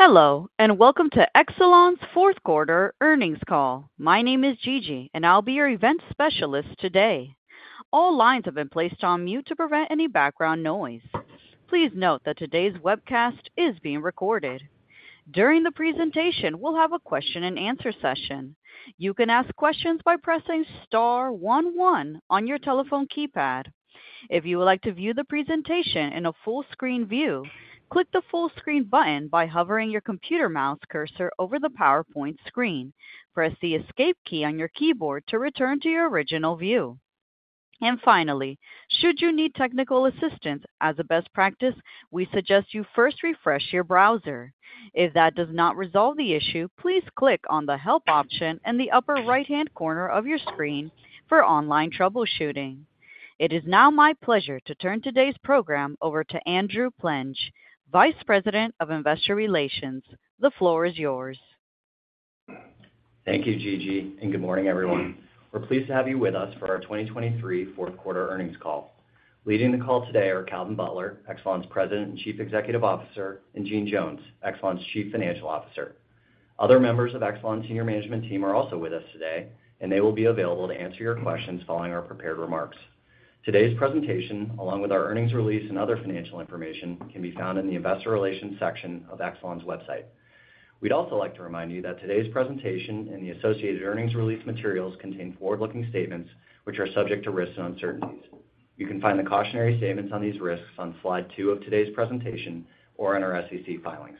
Hello and welcome to Exelon's fourth-quarter earnings call. My name is Gigi, and I'll be your event specialist today. All lines have been placed on mute to prevent any background noise. Please note that today's webcast is being recorded. During the presentation, we'll have a question-and-answer session. You can ask questions by pressing star one one on your telephone keypad. If you would like to view the presentation in a full-screen view, click the full-screen button by hovering your computer mouse cursor over the PowerPoint screen. Press the ESC key on your keyboard to return to your original view. And finally, should you need technical assistance, as a best practice, we suggest you first refresh your browser. If that does not resolve the issue, please click on the Help option in the upper right-hand corner of your screen for online troubleshooting. It is now my pleasure to turn today's program over to Andrew Plenge, Vice President of Investor Relations. The floor is yours. Thank you, Gigi, and good morning, everyone. We're pleased to have you with us for our 2023 fourth-quarter earnings call. Leading the call today are Calvin Butler, Exelon's President and Chief Executive Officer, and Jeanne Jones, Exelon's Chief Financial Officer. Other members of Exelon's senior management team are also with us today, and they will be available to answer your questions following our prepared remarks. Today's presentation, along with our earnings release and other financial information, can be found in the Investor Relations section of Exelon's website. We'd also like to remind you that today's presentation and the associated earnings release materials contain forward-looking statements which are subject to risks and uncertainties. You can find the cautionary statements on these risks on slide two of today's presentation or in our SEC filings.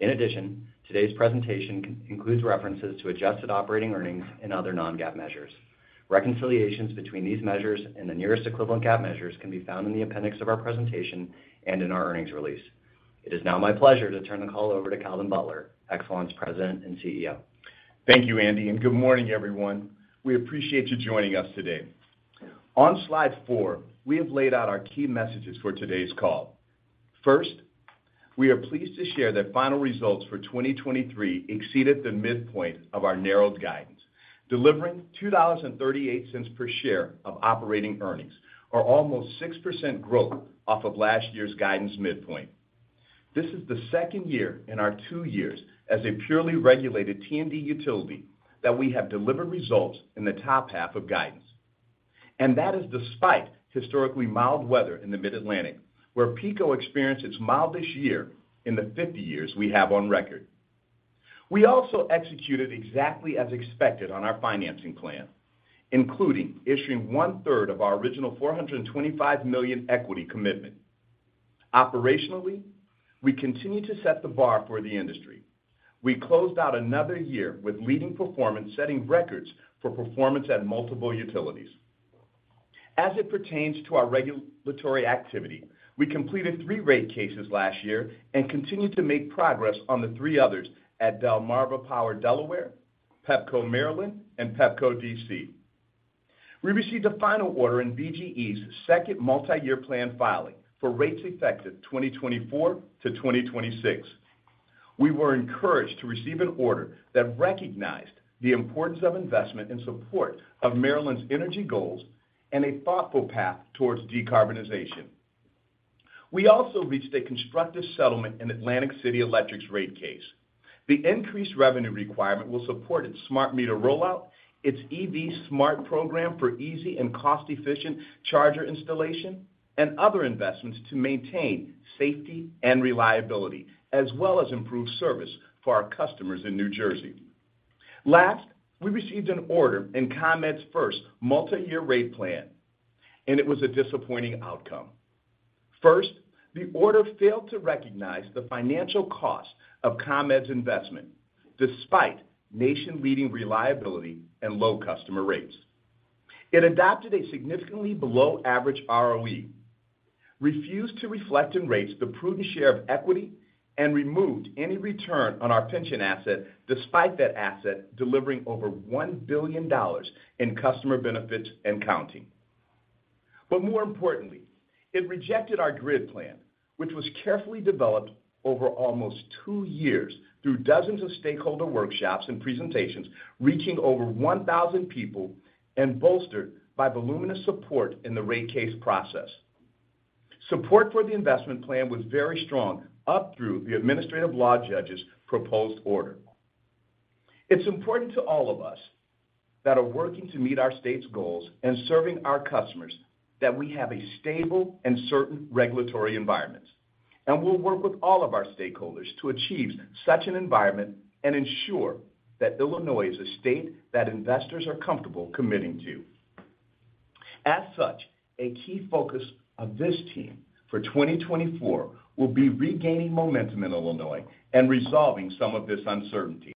In addition, today's presentation includes references to adjusted operating earnings and other non-GAAP measures. Reconciliations between these measures and the nearest equivalent GAAP measures can be found in the appendix of our presentation and in our earnings release. It is now my pleasure to turn the call over to Calvin Butler, Exelon's President and CEO. Thank you, Andy, and good morning, everyone. We appreciate you joining us today. On slide four, we have laid out our key messages for today's call. First, we are pleased to share that final results for 2023 exceeded the midpoint of our narrowed guidance, delivering $2.38 per share of operating earnings, or almost 6% growth off of last year's guidance midpoint. This is the second year in our two years as a purely regulated T&D utility that we have delivered results in the top half of guidance. And that is despite historically mild weather in the Mid-Atlantic, where PECO experienced its mildest year in the 50 years we have on record. We also executed exactly as expected on our financing plan, including issuing one-third of our original $425 million equity commitment. Operationally, we continue to set the bar for the industry. We closed out another year with leading performance setting records for performance at multiple utilities. As it pertains to our regulatory activity, we completed 3 rate cases last year and continue to make progress on the 3 others at Delmarva Power, Delaware, Pepco Maryland, and Pepco DC. We received a final order in BGE's second multi-year plan filing for rates effective 2024 to 2026. We were encouraged to receive an order that recognized the importance of investment in support of Maryland's energy goals and a thoughtful path towards decarbonization. We also reached a constructive settlement in Atlantic City Electric's rate case. The increased revenue requirement will support its smart meter rollout, its EVsmart Program for easy and cost-efficient charger installation, and other investments to maintain safety and reliability, as well as improve service for our customers in New Jersey. Last, we received an order in ComEd's first multi-year rate plan, and it was a disappointing outcome. First, the order failed to recognize the financial cost of ComEd's investment despite nation-leading reliability and low customer rates. It adopted a significantly below-average ROE, refused to reflect in rates the prudent share of equity, and removed any return on our pension asset despite that asset delivering over $1 billion in customer benefits and counting. But more importantly, it rejected our grid plan, which was carefully developed over almost two years through dozens of stakeholder workshops and presentations reaching over 1,000 people and bolstered by voluminous support in the rate case process. Support for the investment plan was very strong up through the administrative law judges' proposed order. It's important to all of us that are working to meet our state's goals and serving our customers that we have a stable and certain regulatory environment, and we'll work with all of our stakeholders to achieve such an environment and ensure that Illinois is a state that investors are comfortable committing to. As such, a key focus of this team for 2024 will be regaining momentum in Illinois and resolving some of this uncertainty.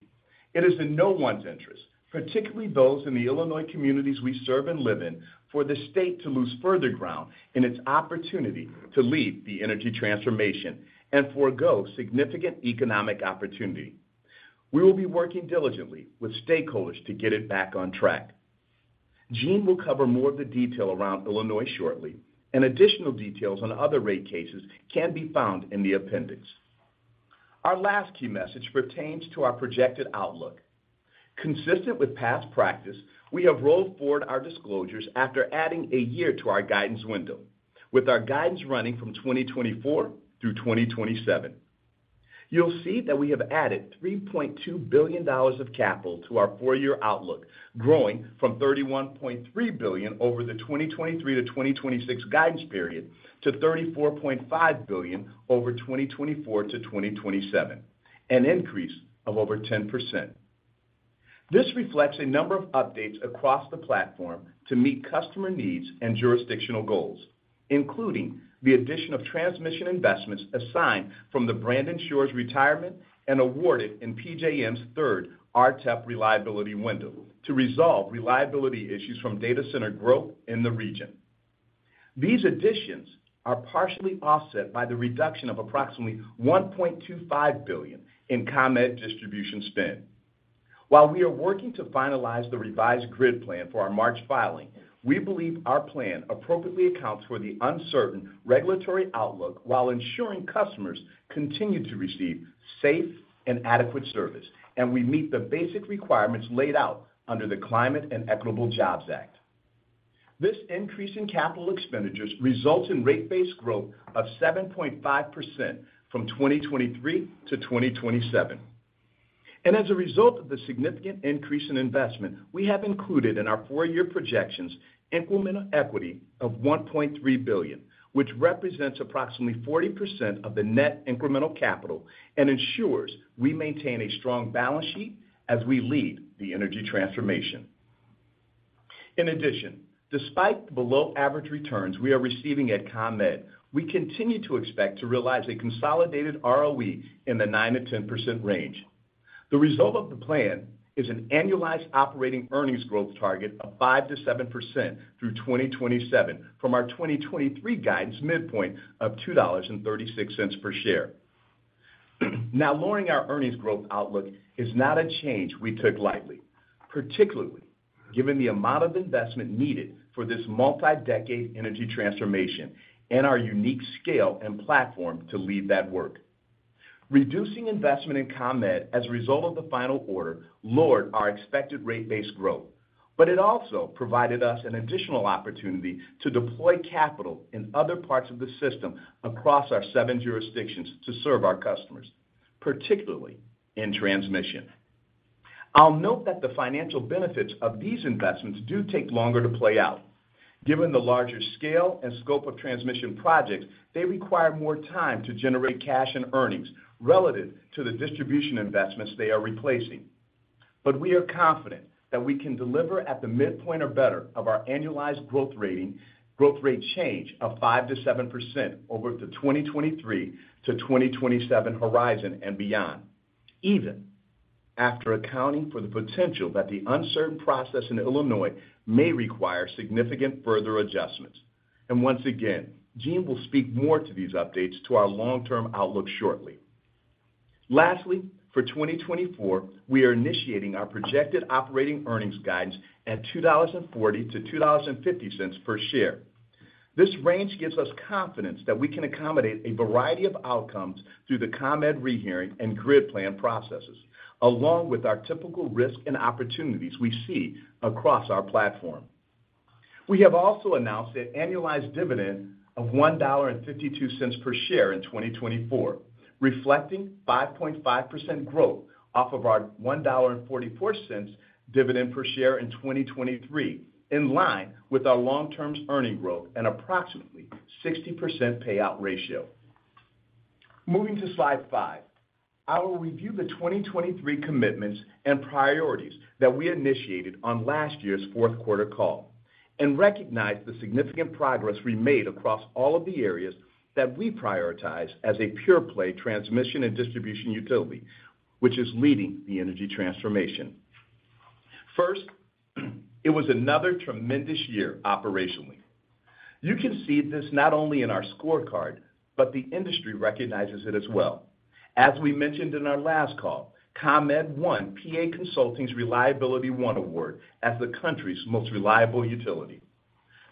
It is in no one's interest, particularly those in the Illinois communities we serve and live in, for the state to lose further ground in its opportunity to lead the energy transformation and forego significant economic opportunity. We will be working diligently with stakeholders to get it back on track. Jeanne will cover more of the detail around Illinois shortly, and additional details on other rate cases can be found in the appendix. Our last key message pertains to our projected outlook. Consistent with past practice, we have rolled forward our disclosures after adding a year to our guidance window, with our guidance running from 2024 through 2027. You'll see that we have added $3.2 billion of capital to our four-year outlook, growing from $31.3 billion over the 2023-2026 guidance period to $34.5 billion over 2024-2027, an increase of over 10%. This reflects a number of updates across the platform to meet customer needs and jurisdictional goals, including the addition of transmission investments assigned from the Byron and Dresden's retirement and awarded in PJM's third RTEP reliability window to resolve reliability issues from data center growth in the region. These additions are partially offset by the reduction of approximately $1.25 billion in ComEd distribution spend. While we are working to finalize the revised grid plan for our March filing, we believe our plan appropriately accounts for the uncertain regulatory outlook while ensuring customers continue to receive safe and adequate service, and we meet the basic requirements laid out under the Climate and Equitable Jobs Act. This increase in capital expenditures results in rate-based growth of 7.5% from 2023-2027. As a result of the significant increase in investment, we have included in our four-year projections incremental equity of $1.3 billion, which represents approximately 40% of the net incremental capital and ensures we maintain a strong balance sheet as we lead the energy transformation. In addition, despite the below-average returns we are receiving at ComEd, we continue to expect to realize a consolidated ROE in the 9%-10% range. The result of the plan is an annualized operating earnings growth target of 5%-7% through 2027 from our 2023 guidance midpoint of $2.36 per share. Now, lowering our earnings growth outlook is not a change we took lightly, particularly given the amount of investment needed for this multi-decade energy transformation and our unique scale and platform to lead that work. Reducing investment in ComEd as a result of the final order lowered our expected rate-based growth, but it also provided us an additional opportunity to deploy capital in other parts of the system across our seven jurisdictions to serve our customers, particularly in transmission. I'll note that the financial benefits of these investments do take longer to play out. Given the larger scale and scope of transmission projects, they require more time to generate cash and earnings relative to the distribution investments they are replacing. But we are confident that we can deliver at the midpoint or better of our annualized growth rate change of 5%-7% over the 2023-2027 horizon and beyond, even after accounting for the potential that the uncertain process in Illinois may require significant further adjustments. And once again, Jeanne will speak more to these updates to our long-term outlook shortly. Lastly, for 2024, we are initiating our projected operating earnings guidance at $2.40-$2.50 per share. This range gives us confidence that we can accommodate a variety of outcomes through the ComEd rehearing and grid plan processes, along with our typical risk and opportunities we see across our platform. We have also announced an annualized dividend of $1.52 per share in 2024, reflecting 5.5% growth off of our $1.44 dividend per share in 2023, in line with our long-term earnings growth and approximately 60% payout ratio. Moving to slide five, I will review the 2023 commitments and priorities that we initiated on last year's fourth-quarter call and recognize the significant progress we made across all of the areas that we prioritize as a pure-play transmission and distribution utility, which is leading the energy transformation. First, it was another tremendous year operationally. You can see this not only in our scorecard, but the industry recognizes it as well. As we mentioned in our last call, ComEd won PA Consulting's ReliabilityOne Award as the country's most reliable utility.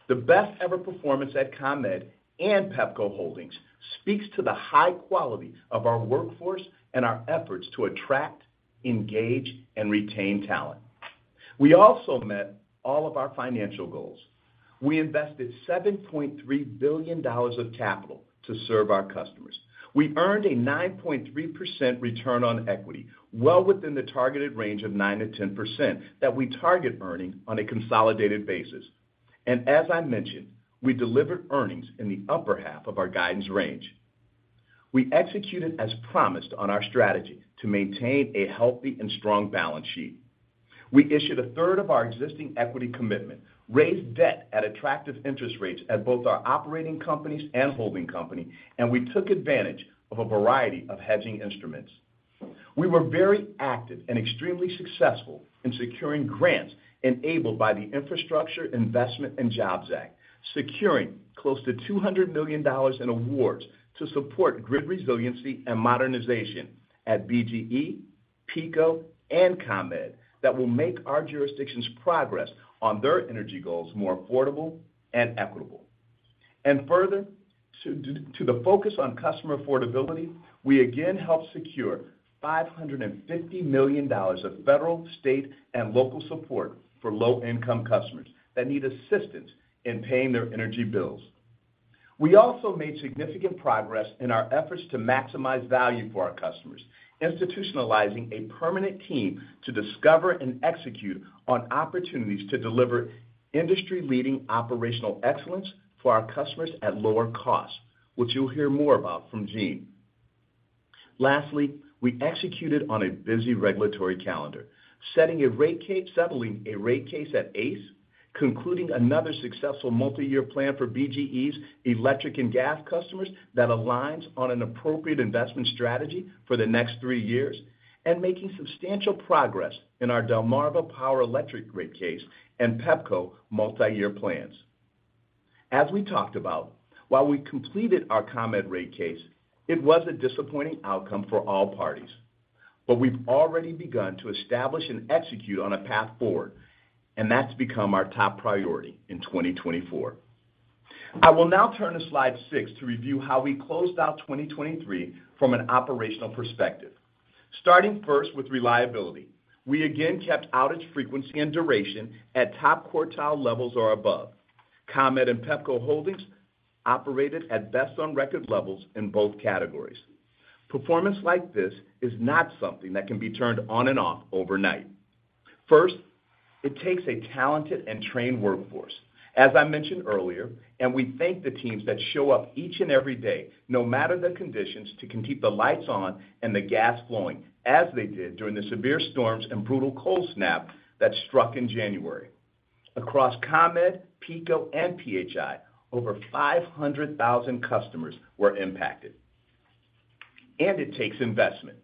The best-ever performance at ComEd and Pepco Holdings speaks to the high quality of our workforce and our efforts to attract, engage, and retain talent. We also met all of our financial goals. We invested $7.3 billion of capital to serve our customers. We earned a 9.3% return on equity, well within the targeted range of 9%-10% that we target earning on a consolidated basis. And as I mentioned, we delivered earnings in the upper half of our guidance range. We executed as promised on our strategy to maintain a healthy and strong balance sheet. We issued a third of our existing equity commitment, raised debt at attractive interest rates at both our operating companies and holding company, and we took advantage of a variety of hedging instruments. We were very active and extremely successful in securing grants enabled by the Infrastructure Investment and Jobs Act, securing close to $200 million in awards to support grid resiliency and modernization at BGE, PECO, and ComEd that will make our jurisdiction's progress on their energy goals more affordable and equitable. And further, to the focus on customer affordability, we again helped secure $550 million of federal, state, and local support for low-income customers that need assistance in paying their energy bills. We also made significant progress in our efforts to maximize value for our customers, institutionalizing a permanent team to discover and execute on opportunities to deliver industry-leading operational excellence for our customers at lower costs, which you'll hear more about from Jeanne. Lastly, we executed on a busy regulatory calendar, setting a rate case at ACE, concluding another successful multi-year plan for BGE's electric and gas customers that aligns on an appropriate investment strategy for the next three years, and making substantial progress in our Delmarva Power electric rate case and Pepco multi-year plans. As we talked about, while we completed our ComEd rate case, it was a disappointing outcome for all parties. But we've already begun to establish and execute on a path forward, and that's become our top priority in 2024. I will now turn to slide 6 to review how we closed out 2023 from an operational perspective. Starting first with reliability, we again kept outage frequency and duration at top quartile levels or above. ComEd and Pepco Holdings operated at best-on-record levels in both categories. Performance like this is not something that can be turned on and off overnight. First, it takes a talented and trained workforce, as I mentioned earlier, and we thank the teams that show up each and every day, no matter the conditions, to keep the lights on and the gas flowing as they did during the severe storms and brutal cold snap that struck in January. Across ComEd, PECO, and PHI, over 500,000 customers were impacted. It takes investment.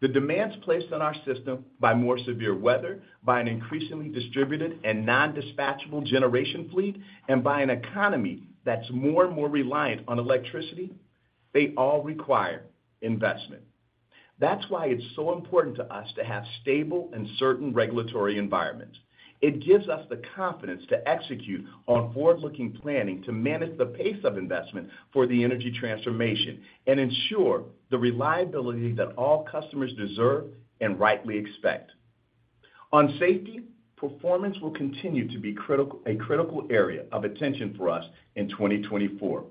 The demands placed on our system by more severe weather, by an increasingly distributed and non-dispatchable generation fleet, and by an economy that's more and more reliant on electricity, they all require investment. That's why it's so important to us to have stable and certain regulatory environments. It gives us the confidence to execute on forward-looking planning to manage the pace of investment for the energy transformation and ensure the reliability that all customers deserve and rightly expect. On safety, performance will continue to be a critical area of attention for us in 2024.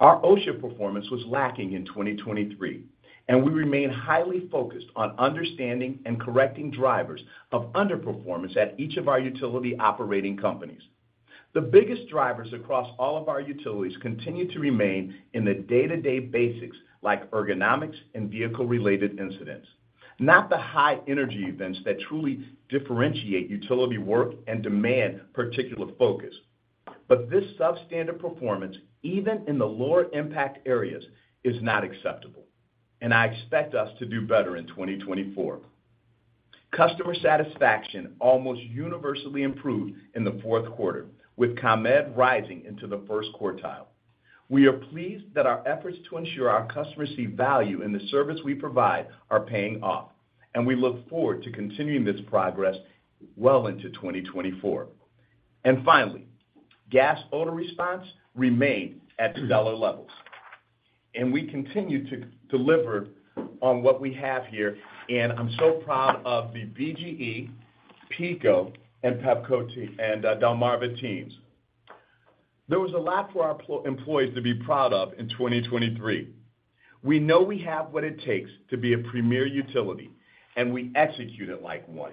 Our OSHA performance was lacking in 2023, and we remain highly focused on understanding and correcting drivers of underperformance at each of our utility operating companies. The biggest drivers across all of our utilities continue to remain in the day-to-day basics like ergonomics and vehicle-related incidents, not the high-energy events that truly differentiate utility work and demand particular focus. But this substandard performance, even in the lower-impact areas, is not acceptable, and I expect us to do better in 2024. Customer satisfaction almost universally improved in the fourth quarter, with ComEd rising into the first quartile. We are pleased that our efforts to ensure our customers see value in the service we provide are paying off, and we look forward to continuing this progress well into 2024. Finally, gas odor response remained at stellar levels, and we continue to deliver on what we have here, and I'm so proud of the BGE, PECO, and Delmarva teams. There was a lot for our employees to be proud of in 2023. We know we have what it takes to be a premier utility, and we execute it like one.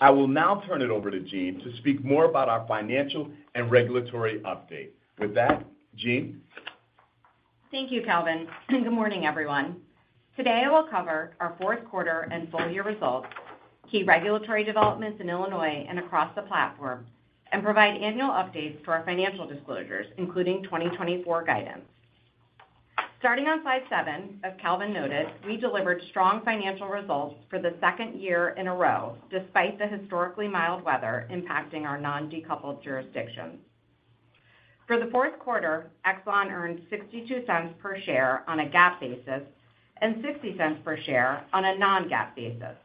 I will now turn it over to Jeanne to speak more about our financial and regulatory update. With that, Jeanne. Thank you, Calvin. Good morning, everyone. Today I will cover our fourth quarter and full-year results, key regulatory developments in Illinois and across the platform, and provide annual updates to our financial disclosures, including 2024 guidance. Starting on slide 7, as Calvin noted, we delivered strong financial results for the second year in a row despite the historically mild weather impacting our non-decoupled jurisdictions. For the fourth quarter, Exelon earned $0.62 per share on a GAAP basis and $0.60 per share on a non-GAAP basis.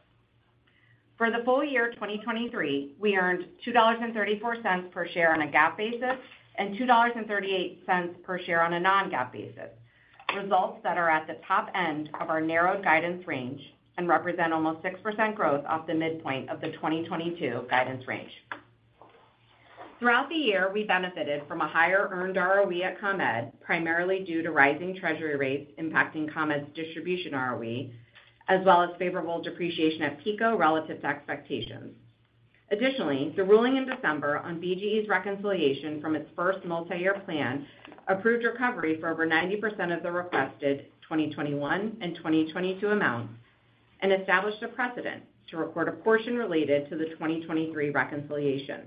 For the full year 2023, we earned $2.34 per share on a GAAP basis and $2.38 per share on a non-GAAP basis, results that are at the top end of our narrowed guidance range and represent almost 6% growth off the midpoint of the 2022 guidance range. Throughout the year, we benefited from a higher earned ROE at ComEd, primarily due to rising treasury rates impacting ComEd's distribution ROE, as well as favorable depreciation at PECO relative to expectations. Additionally, the ruling in December on BGE's reconciliation from its first multi-year plan approved recovery for over 90% of the requested 2021 and 2022 amounts and established a precedent to record a portion related to the 2023 reconciliation,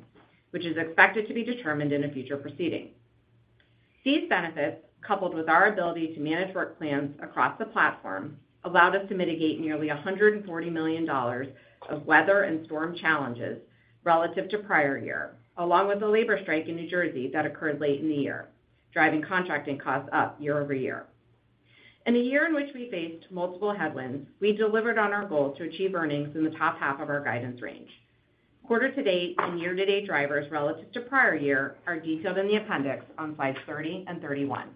which is expected to be determined in a future proceeding. These benefits, coupled with our ability to manage work plans across the platform, allowed us to mitigate nearly $140 million of weather and storm challenges relative to prior year, along with the labor strike in New Jersey that occurred late in the year, driving contracting costs up year-over-year. In a year in which we faced multiple headwinds, we delivered on our goal to achieve earnings in the top half of our guidance range. Quarter-to-date and year-to-date drivers relative to prior year are detailed in the appendix on slides 30 and 31.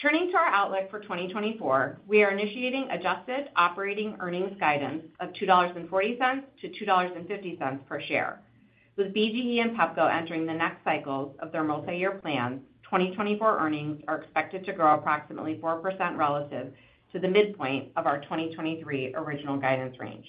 Turning to our outlook for 2024, we are initiating adjusted operating earnings guidance of $2.40-$2.50 per share. With BGE and Pepco entering the next cycles of their multi-year plans, 2024 earnings are expected to grow approximately 4% relative to the midpoint of our 2023 original guidance range.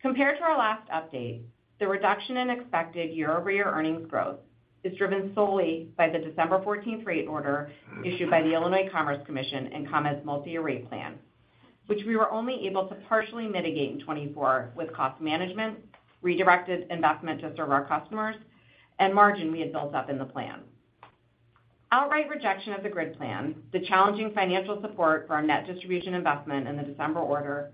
Compared to our last update, the reduction in expected year-over-year earnings growth is driven solely by the December 14th rate order issued by the Illinois Commerce Commission and ComEd's multi-year rate plan, which we were only able to partially mitigate in 2024 with cost management, redirected investment to serve our customers, and margin we had built up in the plan. Outright rejection of the grid plan, the challenging financial support for our net distribution investment in the December order,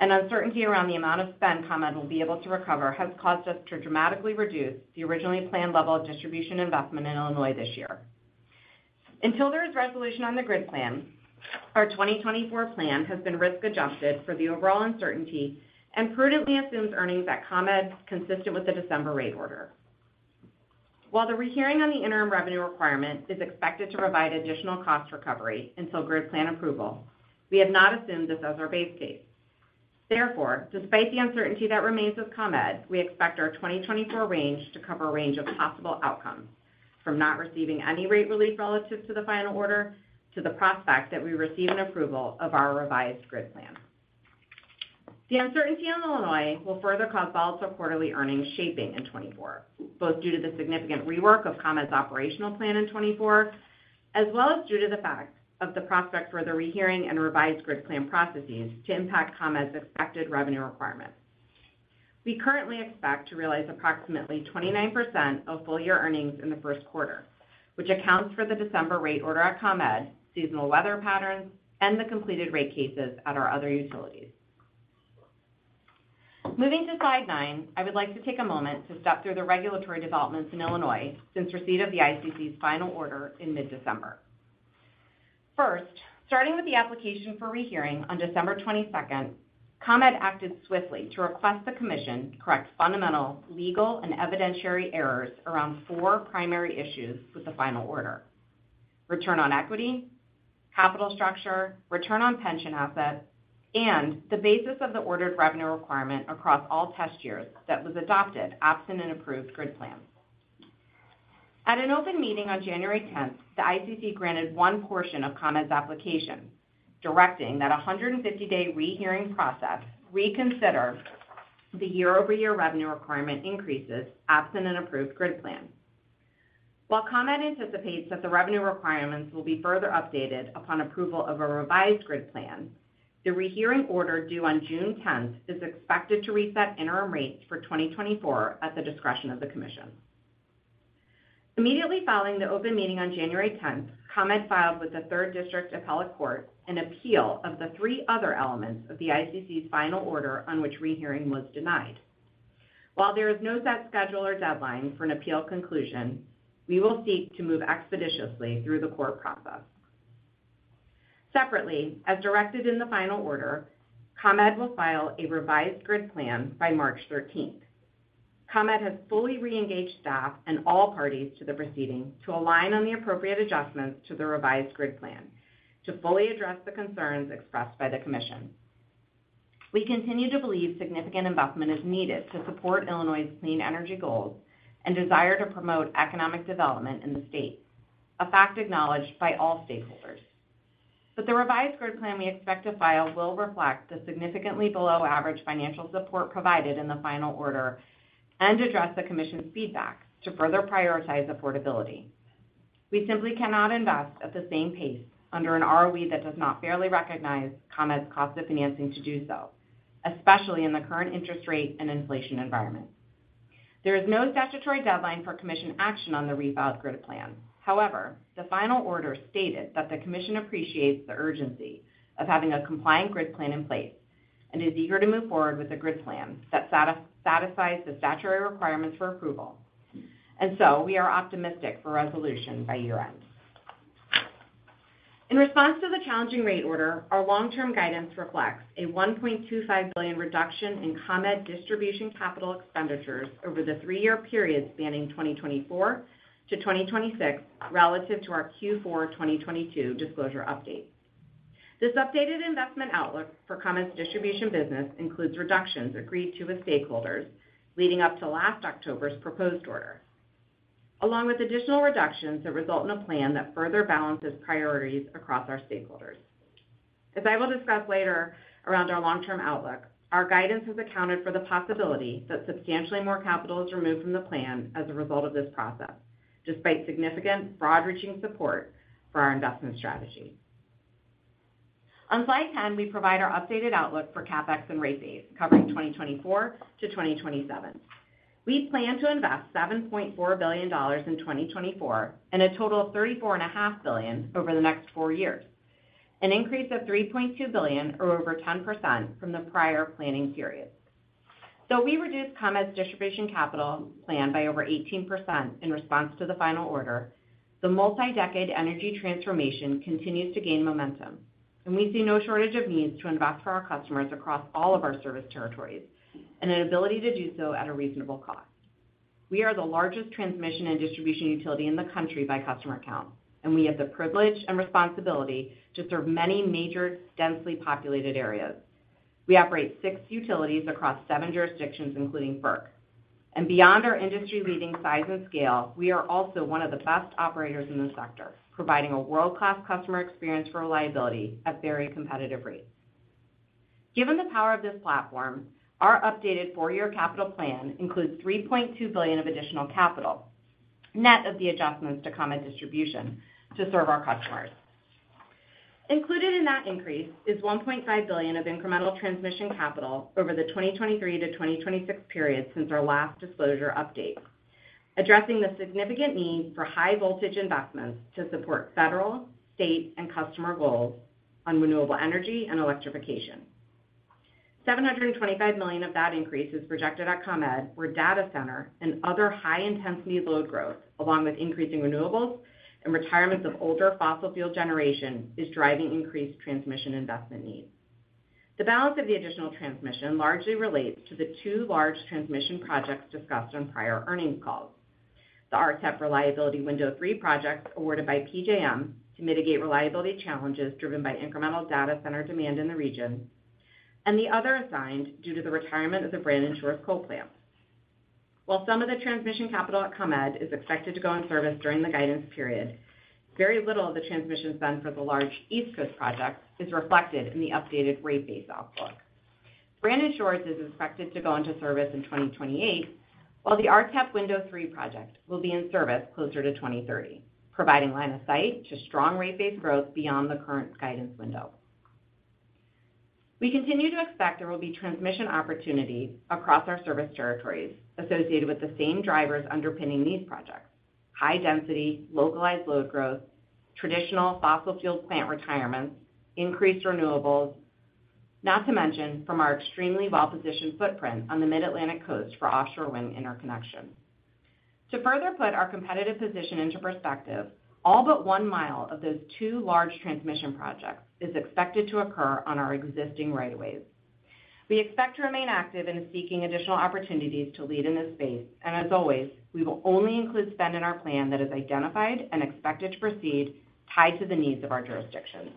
and uncertainty around the amount of spend ComEd will be able to recover has caused us to dramatically reduce the originally planned level of distribution investment in Illinois this year. Until there is resolution on the grid plan, our 2024 plan has been risk-adjusted for the overall uncertainty and prudently assumes earnings at ComEd consistent with the December rate order. While the rehearing on the interim revenue requirement is expected to provide additional cost recovery until grid plan approval, we have not assumed this as our base case. Therefore, despite the uncertainty that remains with ComEd, we expect our 2024 range to cover a range of possible outcomes, from not receiving any rate relief relative to the final order to the prospect that we receive an approval of our revised grid plan. The uncertainty in Illinois will further cause volatile quarterly earnings shaping in 2024, both due to the significant rework of ComEd's operational plan in 2024, as well as due to the fact of the prospect for the rehearing and revised grid plan processes to impact ComEd's expected revenue requirements. We currently expect to realize approximately 29% of full-year earnings in the first quarter, which accounts for the December rate order at ComEd, seasonal weather patterns, and the completed rate cases at our other utilities. Moving to slide 9, I would like to take a moment to step through the regulatory developments in Illinois since receipt of the ICC's final order in mid-December. First, starting with the application for rehearing on December 22nd, ComEd acted swiftly to request the Commission correct fundamental, legal, and evidentiary errors around 4 primary issues with the final order: return on equity, capital structure, return on pension assets, and the basis of the ordered revenue requirement across all test years that was adopted absent an approved grid plan. At an open meeting on January 10th, the ICC granted one portion of ComEd's application, directing that a 150-day rehearing process reconsider the year-over-year revenue requirement increases absent an approved grid plan. While ComEd anticipates that the revenue requirements will be further updated upon approval of a revised grid plan, the rehearing order due on June 10th is expected to reset interim rates for 2024 at the discretion of the Commission. Immediately following the open meeting on January 10th, ComEd filed with the Third District Appellate Court an appeal of the three other elements of the ICC's final order on which rehearing was denied. While there is no set schedule or deadline for an appeal conclusion, we will seek to move expeditiously through the court process. Separately, as directed in the final order, ComEd will file a revised grid plan by March 13th. ComEd has fully reengaged staff and all parties to the proceeding to align on the appropriate adjustments to the revised grid plan to fully address the concerns expressed by the Commission. We continue to believe significant investment is needed to support Illinois's clean energy goals and desire to promote economic development in the state, a fact acknowledged by all stakeholders. But the revised grid plan we expect to file will reflect the significantly below-average financial support provided in the final order and address the Commission's feedback to further prioritize affordability. We simply cannot invest at the same pace under an ROE that does not fairly recognize ComEd's cost of financing to do so, especially in the current interest rate and inflation environment. There is no statutory deadline for Commission action on the refiled grid plan. However, the final order stated that the Commission appreciates the urgency of having a compliant grid plan in place and is eager to move forward with a grid plan that satisfies the statutory requirements for approval. So we are optimistic for resolution by year-end. In response to the challenging rate order, our long-term guidance reflects a $1.25 billion reduction in ComEd distribution capital expenditures over the three-year period spanning 2024-2026 relative to our Q4 2022 disclosure update. This updated investment outlook for ComEd's distribution business includes reductions agreed to with stakeholders leading up to last October's proposed order, along with additional reductions that result in a plan that further balances priorities across our stakeholders. As I will discuss later around our long-term outlook, our guidance has accounted for the possibility that substantially more capital is removed from the plan as a result of this process, despite significant, broad-reaching support for our investment strategy. On slide 10, we provide our updated outlook for CapEx and rate base, covering 2024-2027. We plan to invest $7.4 billion in 2024 and a total of $34.5 billion over the next four years, an increase of $3.2 billion or over 10% from the prior planning period. Though we reduced ComEd's distribution capital plan by over 18% in response to the final order, the multi-decade energy transformation continues to gain momentum, and we see no shortage of needs to invest for our customers across all of our service territories and an ability to do so at a reasonable cost. We are the largest transmission and distribution utility in the country by customer count, and we have the privilege and responsibility to serve many major, densely populated areas. We operate six utilities across seven jurisdictions, including FERC. Beyond our industry-leading size and scale, we are also one of the best operators in the sector, providing a world-class customer experience for reliability at very competitive rates. Given the power of this platform, our updated four-year capital plan includes $3.2 billion of additional capital, net of the adjustments to ComEd distribution, to serve our customers. Included in that increase is $1.5 billion of incremental transmission capital over the 2023-2026 period since our last disclosure update, addressing the significant need for high-voltage investments to support federal, state, and customer goals on renewable energy and electrification. $725 million of that increase is projected at ComEd, where data center and other high-intensity load growth, along with increasing renewables and retirements of older fossil fuel generation, is driving increased transmission investment needs. The balance of the additional transmission largely relates to the two large transmission projects discussed on prior earnings calls: the RTEP Reliability Window 3 projects awarded by PJM to mitigate reliability challenges driven by incremental data center demand in the region, and the other assigned due to the retirement of the Brandon Shores coal plant. While some of the transmission capital at ComEd is expected to go in service during the guidance period, very little of the transmission spent for the large East Coast projects is reflected in the updated rate base outlook. Brandywine is expected to go into service in 2028, while the RTEP Window 3 project will be in service closer to 2030, providing line of sight to strong rate base growth beyond the current guidance window. We continue to expect there will be transmission opportunities across our service territories associated with the same drivers underpinning these projects: high density, localized load growth, traditional fossil fuel plant retirements, increased renewables, not to mention from our extremely well-positioned footprint on the Mid-Atlantic coast for offshore wind interconnection. To further put our competitive position into perspective, all but one mile of those two large transmission projects is expected to occur on our existing rights-of-way. We expect to remain active in seeking additional opportunities to lead in this space, and as always, we will only include spend in our plan that is identified and expected to proceed tied to the needs of our jurisdictions.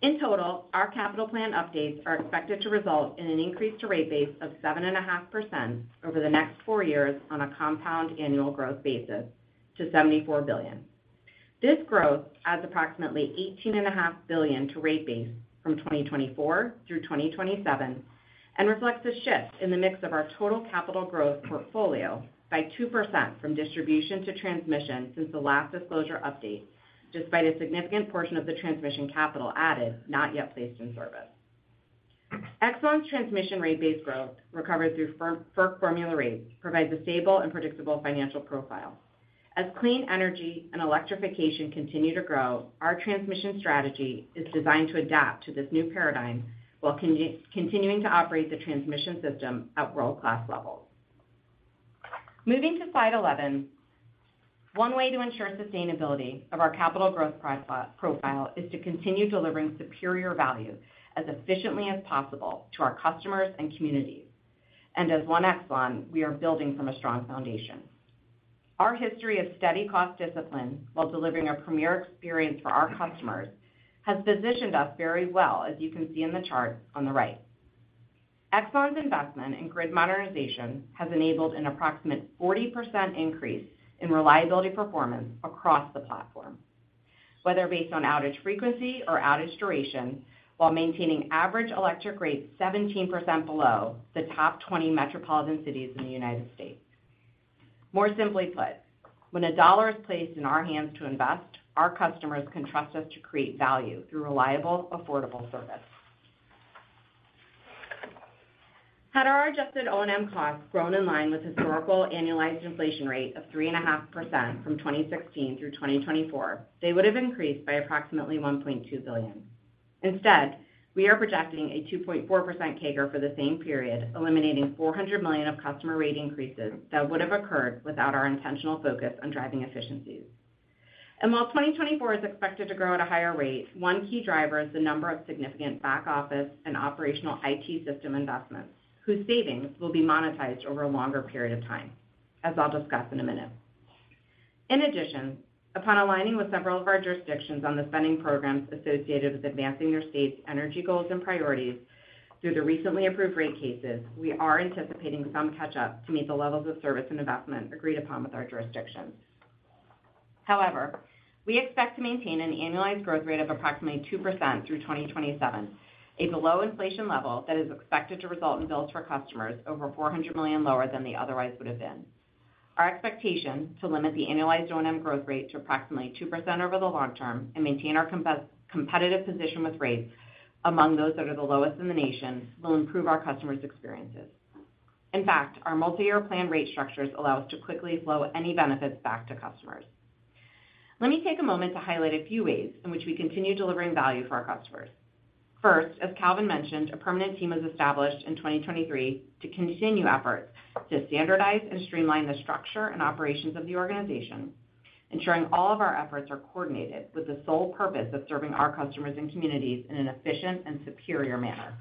In total, our capital plan updates are expected to result in an increase to rate base of 7.5% over the next four years on a compound annual growth basis to $74 billion. This growth adds approximately $18.5 billion to rate base from 2024 through 2027 and reflects a shift in the mix of our total capital growth portfolio by 2% from distribution to transmission since the last disclosure update, despite a significant portion of the transmission capital added not yet placed in service. Exelon's transmission rate base growth, recovered through FERC formula rates, provides a stable and predictable financial profile. As clean energy and electrification continue to grow, our transmission strategy is designed to adapt to this new paradigm while continuing to operate the transmission system at world-class levels. Moving to slide 11, one way to ensure sustainability of our capital growth profile is to continue delivering superior value as efficiently as possible to our customers and communities. And as one Exelon, we are building from a strong foundation. Our history of steady cost discipline while delivering a premier experience for our customers has positioned us very well, as you can see in the chart on the right. Exelon's investment in grid modernization has enabled an approximate 40% increase in reliability performance across the platform, whether based on outage frequency or outage duration, while maintaining average electric rates 17% below the top 20 metropolitan cities in the United States. More simply put, when a dollar is placed in our hands to invest, our customers can trust us to create value through reliable, affordable service. Had our adjusted O&M costs grown in line with historical annualized inflation rate of 3.5% from 2016 through 2024, they would have increased by approximately $1.2 billion. Instead, we are projecting a 2.4% CAGR for the same period, eliminating $400 million of customer rate increases that would have occurred without our intentional focus on driving efficiencies. While 2024 is expected to grow at a higher rate, one key driver is the number of significant back-office and operational IT system investments, whose savings will be monetized over a longer period of time, as I'll discuss in a minute. In addition, upon aligning with several of our jurisdictions on the spending programs associated with advancing their state's energy goals and priorities through the recently approved rate cases, we are anticipating some catch-up to meet the levels of service and investment agreed upon with our jurisdictions. However, we expect to maintain an annualized growth rate of approximately 2% through 2027, a below-inflation level that is expected to result in bills for customers over $400 million lower than they otherwise would have been. Our expectation to limit the annualized O&M growth rate to approximately 2% over the long term and maintain our competitive position with rates among those that are the lowest in the nation will improve our customers' experiences. In fact, our multi-year plan rate structures allow us to quickly flow any benefits back to customers. Let me take a moment to highlight a few ways in which we continue delivering value for our customers. First, as Calvin mentioned, a permanent team was established in 2023 to continue efforts to standardize and streamline the structure and operations of the organization, ensuring all of our efforts are coordinated with the sole purpose of serving our customers and communities in an efficient and superior manner.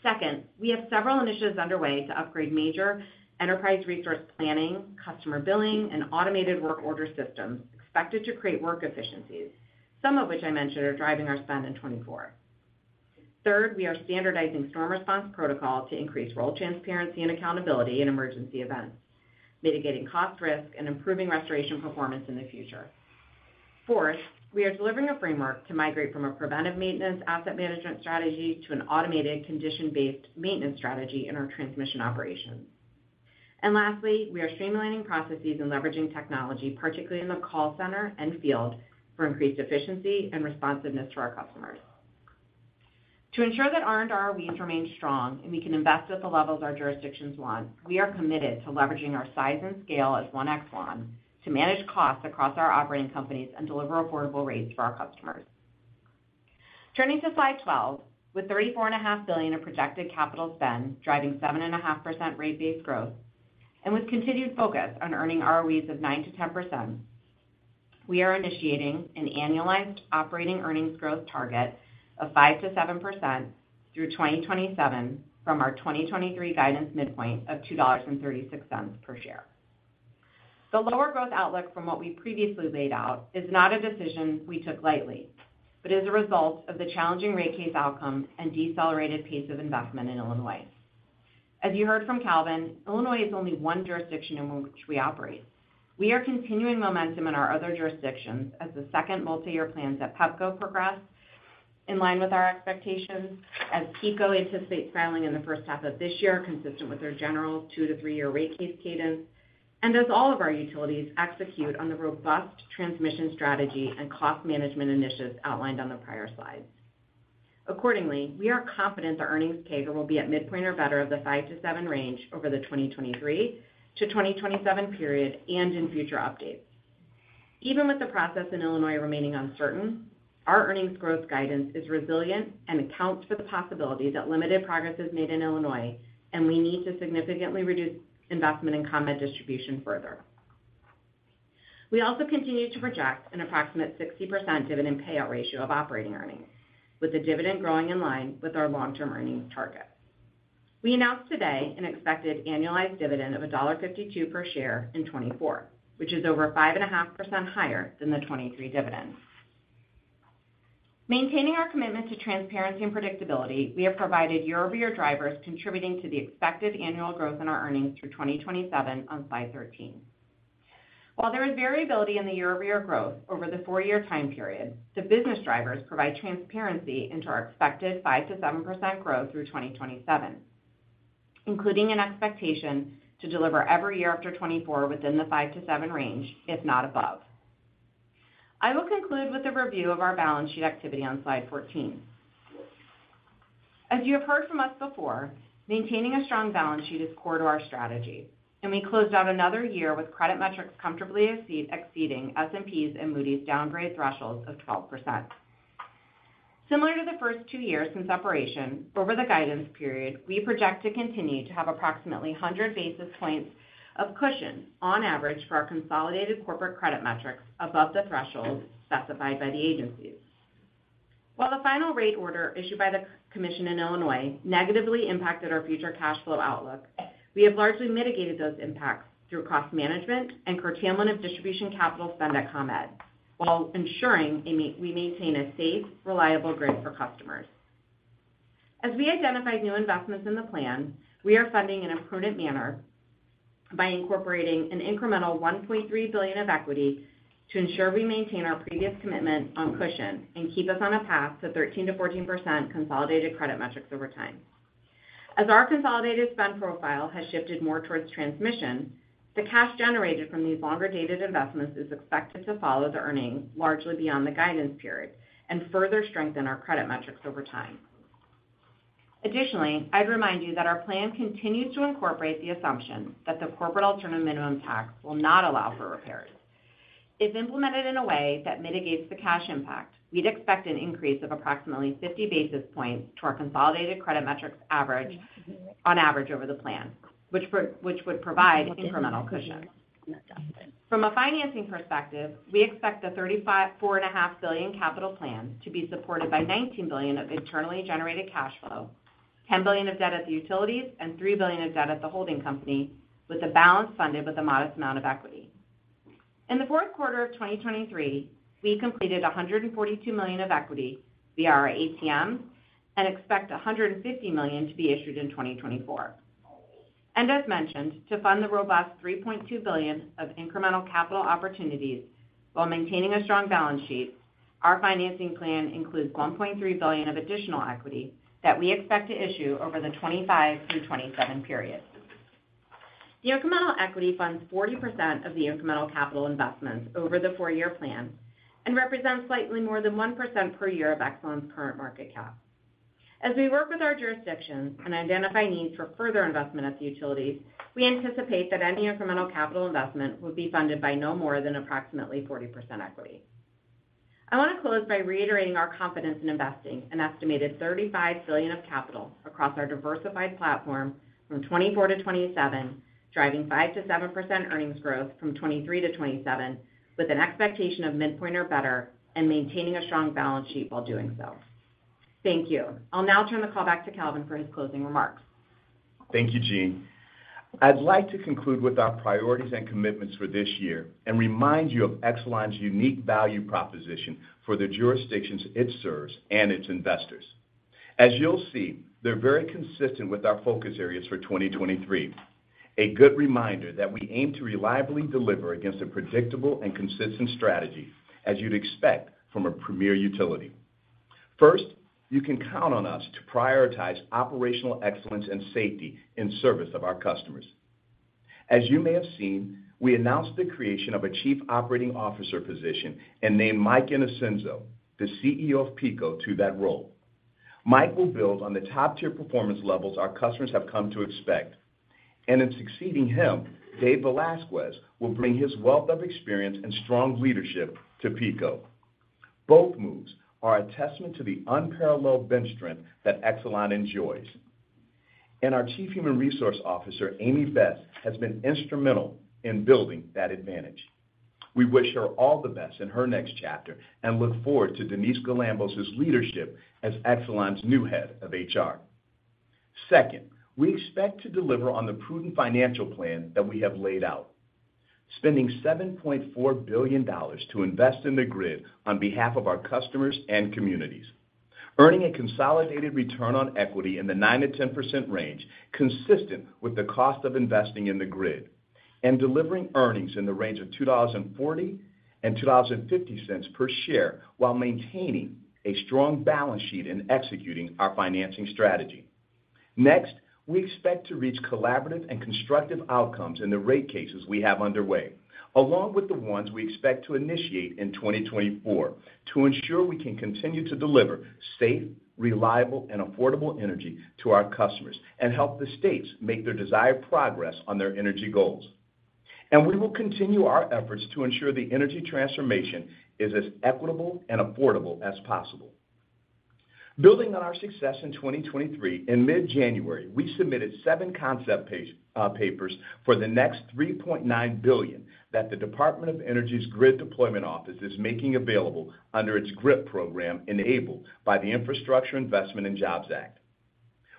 Second, we have several initiatives underway to upgrade major enterprise resource planning, customer billing, and automated work order systems expected to create work efficiencies, some of which I mentioned are driving our spend in 2024. Third, we are standardizing storm response protocol to increase role transparency and accountability in emergency events, mitigating cost risk, and improving restoration performance in the future. Fourth, we are delivering a framework to migrate from a preventive maintenance asset management strategy to an automated condition-based maintenance strategy in our transmission operations. And lastly, we are streamlining processes and leveraging technology, particularly in the call center and field, for increased efficiency and responsiveness to our customers. To ensure that R&D ROEs remain strong and we can invest at the levels our jurisdictions want, we are committed to leveraging our size and scale as one Exelon to manage costs across our operating companies and deliver affordable rates for our customers. Turning to slide 12, with $34.5 billion of projected capital spend driving 7.5% rate base growth and with continued focus on earning ROEs of 9%-10%, we are initiating an annualized operating earnings growth target of 5%-7% through 2027 from our 2023 guidance midpoint of $2.36 per share. The lower growth outlook from what we previously laid out is not a decision we took lightly but is a result of the challenging rate case outcome and decelerated pace of investment in Illinois. As you heard from Calvin, Illinois is only one jurisdiction in which we operate. We are continuing momentum in our other jurisdictions as the second multi-year plans at PECO progress in line with our expectations, as PECO anticipates filing in the first half of this year consistent with their general 2- to 3-year rate case cadence, and as all of our utilities execute on the robust transmission strategy and cost management initiatives outlined on the prior slides. Accordingly, we are confident the earnings CAGR will be at midpoint or better of the 5-7 range over the 2023-2027 period and in future updates. Even with the process in Illinois remaining uncertain, our earnings growth guidance is resilient and accounts for the possibility that limited progress is made in Illinois, and we need to significantly reduce investment in ComEd distribution further. We also continue to project an approximate 60% dividend payout ratio of operating earnings, with the dividend growing in line with our long-term earnings target. We announced today an expected annualized dividend of $1.52 per share in 2024, which is over 5.5% higher than the 2023 dividend. Maintaining our commitment to transparency and predictability, we have provided year-over-year drivers contributing to the expected annual growth in our earnings through 2027 on slide 13. While there is variability in the year-over-year growth over the four-year time period, the business drivers provide transparency into our expected 5%-7% growth through 2027, including an expectation to deliver every year after 2024 within the 5%-7% range, if not above. I will conclude with a review of our balance sheet activity on slide 14. As you have heard from us before, maintaining a strong balance sheet is core to our strategy, and we closed out another year with credit metrics comfortably exceeding S&P's and Moody's downgrade thresholds of 12%. Similar to the first 2 years since operation, over the guidance period, we project to continue to have approximately 100 basis points of cushion, on average, for our consolidated corporate credit metrics above the thresholds specified by the agencies. While the final rate order issued by the Commission in Illinois negatively impacted our future cash flow outlook, we have largely mitigated those impacts through cost management and curtailment of distribution capital spend at ComEd while ensuring we maintain a safe, reliable grid for customers. As we identified new investments in the plan, we are funding in a prudent manner by incorporating an incremental $1.3 billion of equity to ensure we maintain our previous commitment on cushion and keep us on a path to 13%-14% consolidated credit metrics over time. As our consolidated spend profile has shifted more towards transmission, the cash generated from these longer-dated investments is expected to follow the earnings largely beyond the guidance period and further strengthen our credit metrics over time. Additionally, I'd remind you that our plan continues to incorporate the assumption that the Corporate Alternative Minimum Tax will not allow for repairs. If implemented in a way that mitigates the cash impact, we'd expect an increase of approximately 50 basis points to our consolidated credit metrics average on average over the plan, which would provide incremental cushion. From a financing perspective, we expect the $34.5 billion capital plan to be supported by $19 billion of internally generated cash flow, $10 billion of debt at the utilities, and $3 billion of debt at the holding company, with the balance funded with a modest amount of equity. In the fourth quarter of 2023, we completed $142 million of equity via our ATMs and expect $150 million to be issued in 2024. And as mentioned, to fund the robust $3.2 billion of incremental capital opportunities while maintaining a strong balance sheet, our financing plan includes $1.3 billion of additional equity that we expect to issue over the 2025 through 2027 period. The incremental equity funds 40% of the incremental capital investments over the four-year plan and represents slightly more than 1% per year of Exelon's current market cap. As we work with our jurisdictions and identify needs for further investment at the utilities, we anticipate that any incremental capital investment would be funded by no more than approximately 40% equity. I want to close by reiterating our confidence in investing an estimated $35 billion of capital across our diversified platform from 2024 to 2027, driving 5%-7% earnings growth from 2023 to 2027 with an expectation of midpoint or better and maintaining a strong balance sheet while doing so. Thank you. I'll now turn the call back to Calvin for his closing remarks. Thank you, Jeanne. I'd like to conclude with our priorities and commitments for this year and remind you of Exelon's unique value proposition for the jurisdictions it serves and its investors. As you'll see, they're very consistent with our focus areas for 2023, a good reminder that we aim to reliably deliver against a predictable and consistent strategy as you'd expect from a premier utility. First, you can count on us to prioritize operational excellence and safety in service of our customers. As you may have seen, we announced the creation of a chief operating officer position and named Mike Innocenzo, the CEO of Pepco, to that role. Mike will build on the top-tier performance levels our customers have come to expect, and in succeeding him, Dave Velazquez will bring his wealth of experience and strong leadership to Pepco. Both moves are a testament to the unparalleled bench strength that Exelon enjoys, and our Chief Human Resources Officer, Amy Best, has been instrumental in building that advantage. We wish her all the best in her next chapter and look forward to Denise Galambos' leadership as Exelon's new head of HR. Second, we expect to deliver on the prudent financial plan that we have laid out, spending $7.4 billion to invest in the grid on behalf of our customers and communities, earning a consolidated return on equity in the 9%-10% range consistent with the cost of investing in the grid, and delivering earnings in the range of $2.40-$2.50 per share while maintaining a strong balance sheet and executing our financing strategy. Next, we expect to reach collaborative and constructive outcomes in the rate cases we have underway, along with the ones we expect to initiate in 2024 to ensure we can continue to deliver safe, reliable, and affordable energy to our customers and help the states make their desired progress on their energy goals. We will continue our efforts to ensure the energy transformation is as equitable and affordable as possible. Building on our success in 2023, in mid-January, we submitted seven concept papers for the next $3.9 billion that the Department of Energy's Grid Deployment Office is making available under its GRIP program enabled by the Infrastructure Investment and Jobs Act.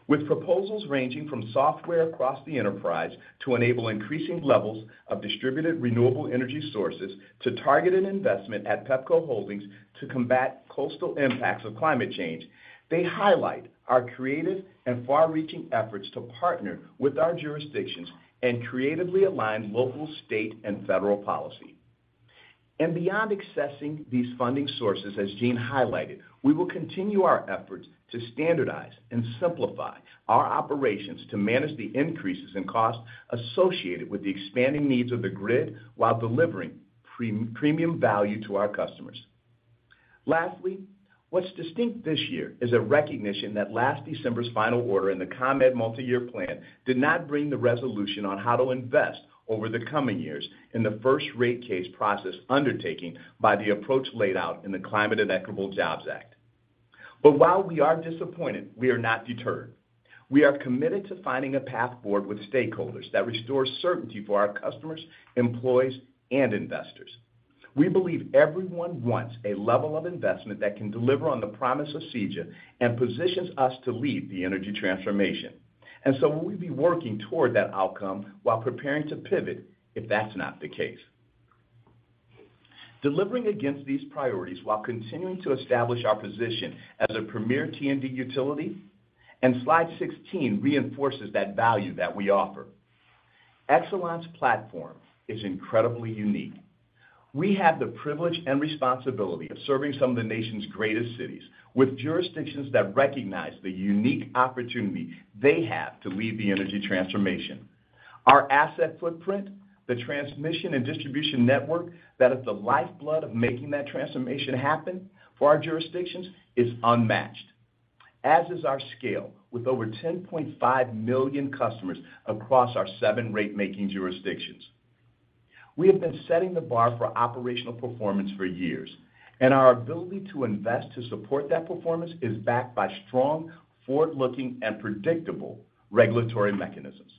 With proposals ranging from software across the enterprise to enable increasing levels of distributed renewable energy sources to targeted investment at Pepco Holdings to combat coastal impacts of climate change, they highlight our creative and far-reaching efforts to partner with our jurisdictions and creatively align local, state, and federal policy. Beyond accessing these funding sources, as Jeanne highlighted, we will continue our efforts to standardize and simplify our operations to manage the increases in cost associated with the expanding needs of the grid while delivering premium value to our customers. Lastly, what's distinct this year is a recognition that last December's final order in the ComEd multi-year plan did not bring the resolution on how to invest over the coming years in the first rate case process undertaken by the approach laid out in the Climate and Equitable Jobs Act. But while we are disappointed, we are not deterred. We are committed to finding a path forward with stakeholders that restores certainty for our customers, employees, and investors. We believe everyone wants a level of investment that can deliver on the promise of CEJA and positions us to lead the energy transformation. And so we'll be working toward that outcome while preparing to pivot if that's not the case. Delivering against these priorities while continuing to establish our position as a premier T&D utility and slide 16 reinforces that value that we offer. Exelon's platform is incredibly unique. We have the privilege and responsibility of serving some of the nation's greatest cities with jurisdictions that recognize the unique opportunity they have to lead the energy transformation. Our asset footprint, the transmission and distribution network that is the lifeblood of making that transformation happen for our jurisdictions, is unmatched, as is our scale with over 10.5 million customers across our 7 rate-making jurisdictions. We have been setting the bar for operational performance for years, and our ability to invest to support that performance is backed by strong, forward-looking, and predictable regulatory mechanisms.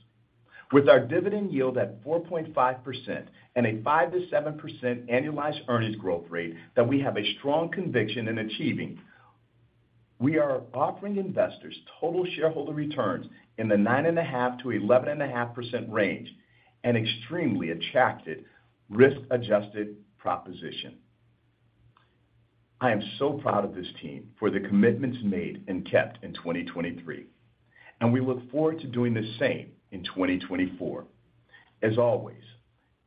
With our dividend yield at 4.5% and a 5%-7% annualized earnings growth rate that we have a strong conviction in achieving, we are offering investors total shareholder returns in the 9.5%-11.5% range, an extremely attractive risk-adjusted proposition. I am so proud of this team for the commitments made and kept in 2023, and we look forward to doing the same in 2024. As always,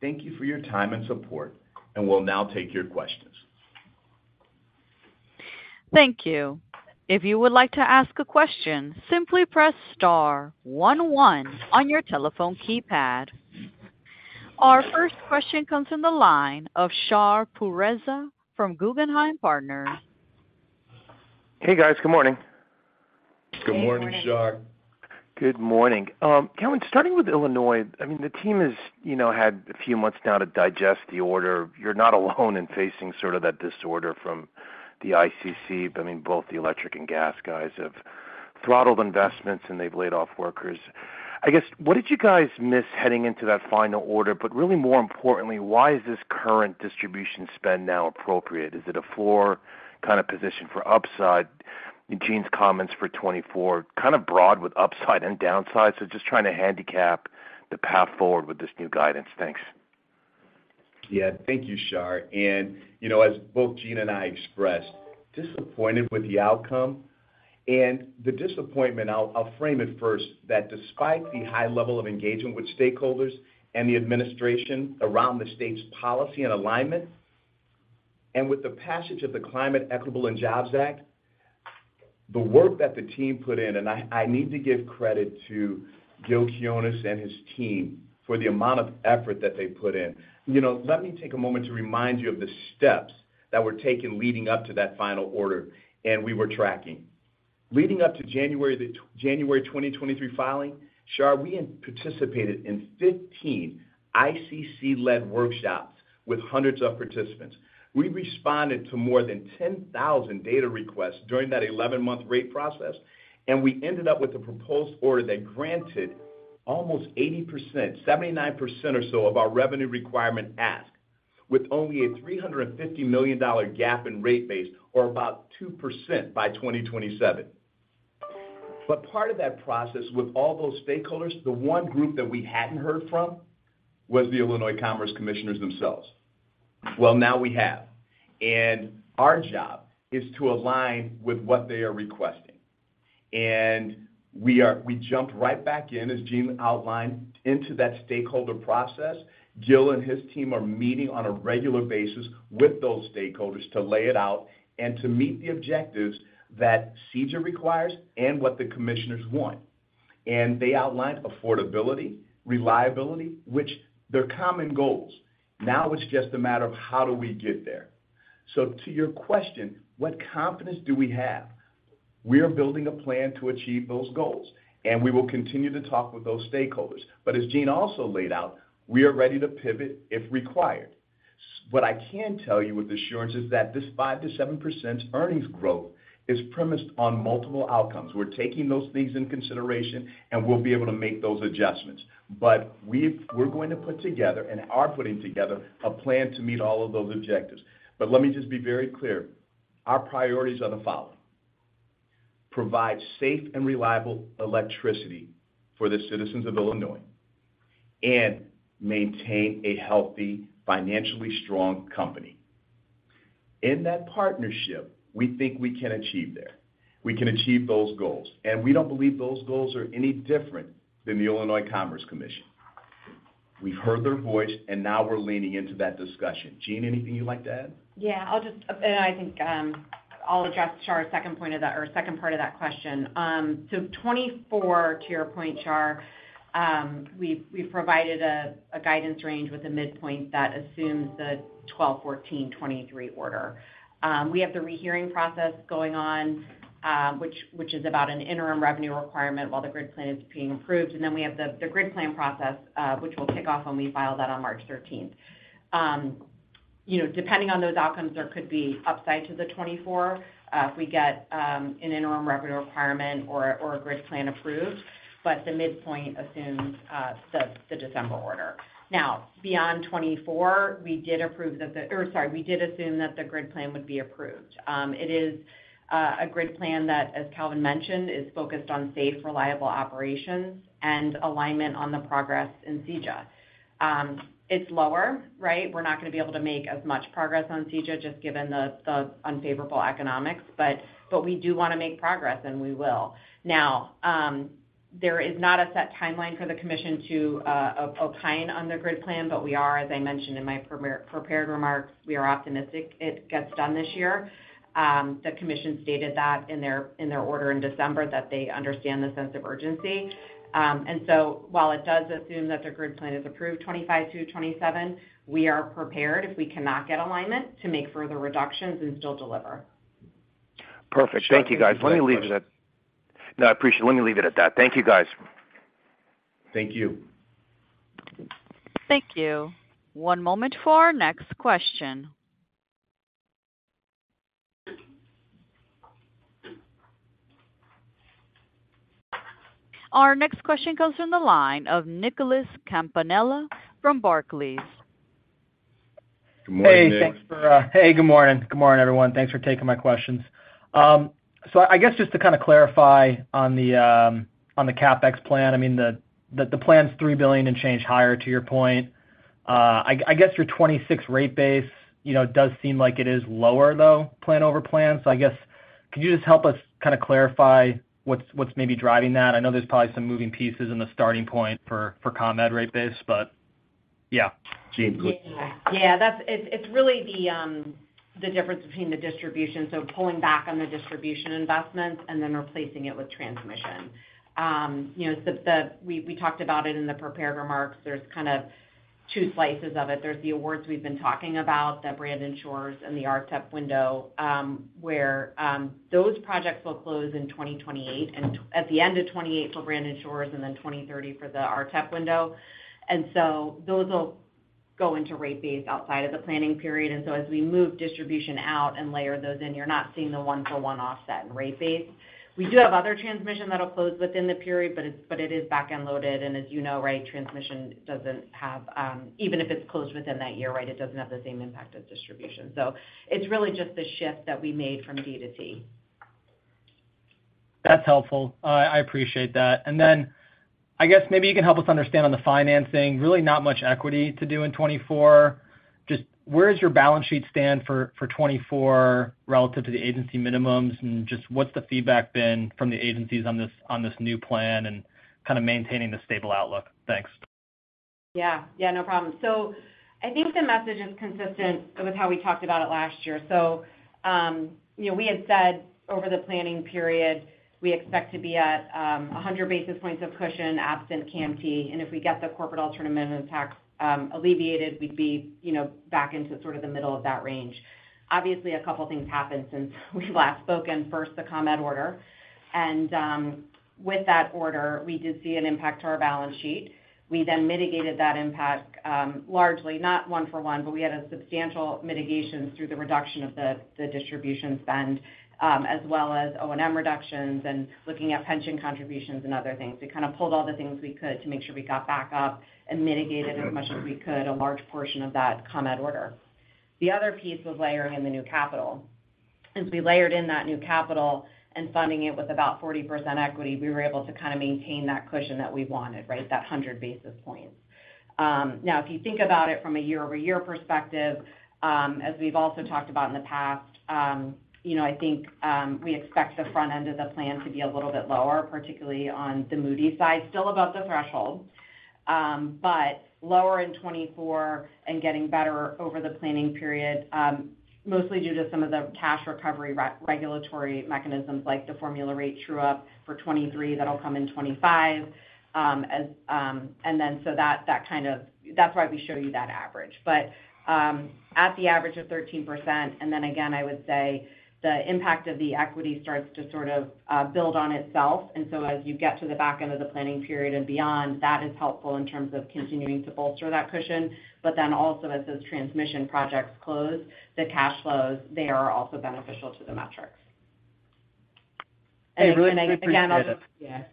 thank you for your time and support, and we'll now take your questions. Thank you. If you would like to ask a question, simply press star one one on your telephone keypad. Our first question comes from the line of Shar Pourreza from Guggenheim Partners. Hey, guys. Good morning. Good morning, Shar. Good morning. Good morning. Calvin, starting with Illinois, I mean, the team has had a few months now to digest the order. You're not alone in facing sort of that order from the ICC, but I mean, both the electric and gas guys have throttled investments, and they've laid off workers. I guess, what did you guys miss heading into that final order? But really more importantly, why is this current distribution spend now appropriate? Is it a floor kind of position for upside? Jeanne's comments for 2024, kind of broad with upside and downside, so just trying to handicap the path forward with this new guidance. Thanks. Yeah. Thank you, Shar. And as both Jeanne and I expressed, disappointed with the outcome. And the disappointment, I'll frame it first, that despite the high level of engagement with stakeholders and the administration around the state's policy and alignment, and with the passage of the Climate and Equitable Jobs Act, the work that the team put in and I need to give credit to Gil Quiniones and his team for the amount of effort that they put in. Let me take a moment to remind you of the steps that were taken leading up to that final order and we were tracking. Leading up to January 2023 filing, Shar, we participated in 15 ICC-led workshops with hundreds of participants. We responded to more than 10,000 data requests during that 11-month rate process, and we ended up with a proposed order that granted almost 80%, 79% or so of our revenue requirement asked, with only a $350 million gap in rate base or about 2% by 2027. But part of that process with all those stakeholders, the one group that we hadn't heard from was the Illinois Commerce Commissioners themselves. Well, now we have. And our job is to align with what they are requesting. And we jumped right back in, as Jeanne outlined, into that stakeholder process. Gil and his team are meeting on a regular basis with those stakeholders to lay it out and to meet the objectives that CEJA requires and what the commissioners want. They outlined affordability, reliability, which are common goals. Now it's just a matter of how do we get there. So to your question, what confidence do we have? We are building a plan to achieve those goals, and we will continue to talk with those stakeholders. But as Jeanne also laid out, we are ready to pivot if required. What I can tell you with assurance is that this 5%-7% earnings growth is premised on multiple outcomes. We're taking those things into consideration, and we'll be able to make those adjustments. But we're going to put together and are putting together a plan to meet all of those objectives. But let me just be very clear. Our priorities are the following: provide safe and reliable electricity for the citizens of Illinois and maintain a healthy, financially strong company. In that partnership, we think we can achieve there. We can achieve those goals. We don't believe those goals are any different than the Illinois Commerce Commission. We've heard their voice, and now we're leaning into that discussion. Jeanne, anything you'd like to add? Yeah. I think I'll address Shar's second point or second part of that question. So 2024, to your point, Shar, we've provided a guidance range with a midpoint that assumes the 12/14/2023 order. We have the rehearing process going on, which is about an interim revenue requirement while the grid plan is being approved. Then we have the grid plan process, which will kick off when we file that on March 13th. Depending on those outcomes, there could be upside to the 2024 if we get an interim revenue requirement or a grid plan approved, but the midpoint assumes the December order. Now, beyond 2024, we did approve that the or sorry, we did assume that the grid plan would be approved. It is a grid plan that, as Calvin mentioned, is focused on safe, reliable operations and alignment on the progress in CEJA. It's lower, right? We're not going to be able to make as much progress on CEJA just given the unfavorable economics. But we do want to make progress, and we will. Now, there is not a set timeline for the commission to opine on the grid plan, but we are, as I mentioned in my prepared remarks, we are optimistic it gets done this year. The commission stated that in their order in December, that they understand the sense of urgency. And so while it does assume that the grid plan is approved 2025 through 2027, we are prepared, if we cannot get alignment, to make further reductions and still deliver. Perfect. Thank you, guys. Let me leave it at no, I appreciate it. Let me leave it at that. Thank you, guys. Thank you. Thank you. One moment for our next question. Our next question comes from the line of Nicholas Campanella from Barclays. Good morning, Nick. Hey, thanks for hey, good morning. Good morning, everyone. Thanks for taking my questions. So I guess just to kind of clarify on the CapEx plan, I mean, the plan's $3 billion and change higher, to your point. I guess your 2026 rate base does seem like it is lower, though, plan over plan. So I guess, could you just help us kind of clarify what's maybe driving that? I know there's probably some moving pieces in the starting point for ComEd rate base, but yeah. Yeah. Yeah. It's really the difference between the distribution. So pulling back on the distribution investments and then replacing it with transmission. We talked about it in the prepared remarks. There's kind of two slices of it. There's the awards we've been talking about, the Brandon Shores and the RTEP window, where those projects will close in 2028 and at the end of 2028 for Brandon Shores and then 2030 for the RTEP window. And so those will go into rate base outside of the planning period. And so as we move distribution out and layer those in, you're not seeing the one-for-one offset in rate base. We do have other transmission that'll close within the period, but it is back-end loaded. And as you know, right, transmission doesn't have even if it's closed within that year, right, it doesn't have the same impact as distribution. So it's really just the shift that we made from D to T. That's helpful. I appreciate that. And then I guess maybe you can help us understand on the financing, really not much equity to do in 2024. Just where does your balance sheet stand for 2024 relative to the agency minimums, and just what's the feedback been from the agencies on this new plan and kind of maintaining the stable outlook? Thanks. Yeah. Yeah. No problem. So I think the message is consistent with how we talked about it last year. So we had said over the planning period, we expect to be at 100 basis points of cushion absent CAMT. If we get the corporate alternative minimum tax alleviated, we'd be back into sort of the middle of that range. Obviously, a couple of things happened since we've last spoken, first, the ComEd order. With that order, we did see an impact to our balance sheet. We then mitigated that impact largely, not one-for-one, but we had a substantial mitigation through the reduction of the distribution spend as well as O&M reductions and looking at pension contributions and other things. We kind of pulled all the things we could to make sure we got back up and mitigated as much as we could a large portion of that ComEd order. The other piece was layering in the new capital. As we layered in that new capital and funding it with about 40% equity, we were able to kind of maintain that cushion that we wanted, right, that 100 basis points. Now, if you think about it from a year-over-year perspective, as we've also talked about in the past, I think we expect the front end of the plan to be a little bit lower, particularly on the Moody's side, still above the threshold, but lower in 2024 and getting better over the planning period, mostly due to some of the cash recovery regulatory mechanisms like the formula rate true-up for 2023 that'll come in 2025. And then so that kind of that's why we show you that average. But at the average of 13%, and then again, I would say the impact of the equity starts to sort of build on itself. And so as you get to the back end of the planning period and beyond, that is helpful in terms of continuing to bolster that cushion. But then also, as those transmission projects close, the cash flows, they are also beneficial to the metrics. And again, I'll just yeah.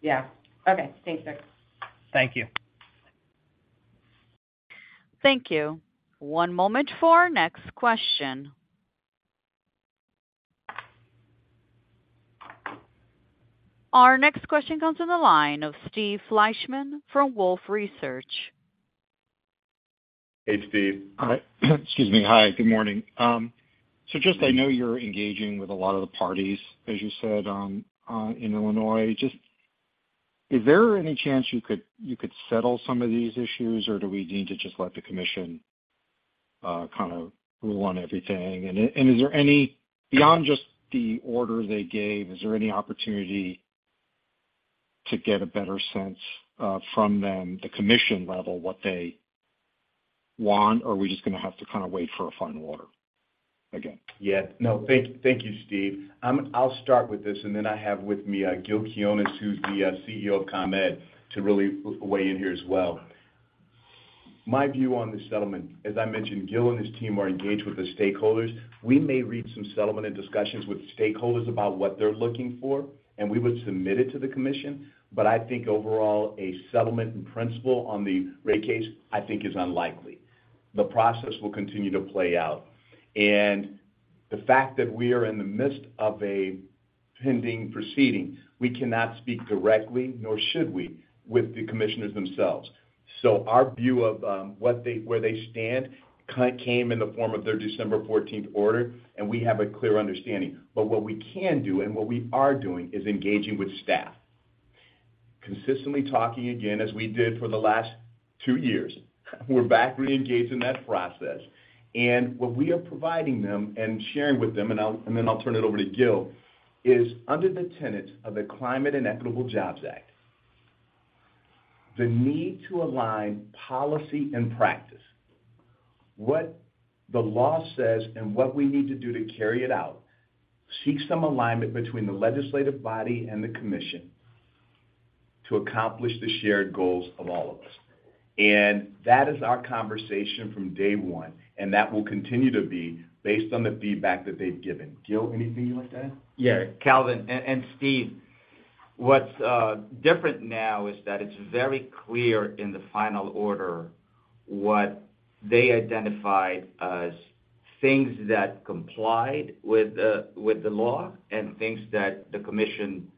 Yeah. Okay. Thanks, Nick. Thank you. Thank you. One moment for our next question. Our next question comes from the line of Steve Fleishman from Wolfe Research. Hey, Steve. Excuse me. Hi. Good morning. So just I know you're engaging with a lot of the parties, as you said, in Illinois. Just is there any chance you could settle some of these issues, or do we need to just let the commission kind of rule on everything? And is there any beyond just the order they gave, is there any opportunity to get a better sense from them, the commission level, what they want, or are we just going to have to kind of wait for a final order again? Yet. No, thank you, Steve. I'll start with this, and then I have with me Gil Quiniones, who's the CEO of ComEd, to really weigh in here as well. My view on the settlement, as I mentioned, Gil and his team are engaged with the stakeholders. We may read some settlement and discussions with stakeholders about what they're looking for, and we would submit it to the commission. But I think overall, a settlement in principle on the rate case, I think, is unlikely. The process will continue to play out. The fact that we are in the midst of a pending proceeding, we cannot speak directly, nor should we, with the commissioners themselves. Our view of where they stand came in the form of their December 14th order, and we have a clear understanding. What we can do and what we are doing is engaging with staff, consistently talking, again, as we did for the last two years. We're back reengaging that process. What we are providing them and sharing with them - and then I'll turn it over to Gil - is under the tenets of the Climate and Equitable Jobs Act, the need to align policy and practice, what the law says and what we need to do to carry it out, seek some alignment between the legislative body and the commission to accomplish the shared goals of all of us. That is our conversation from day one, and that will continue to be based on the feedback that they've given. Gil, anything you'd like to add? Yeah. Calvin and Steve, what's different now is that it's very clear in the final order what they identified as things that complied with the law and things that the commission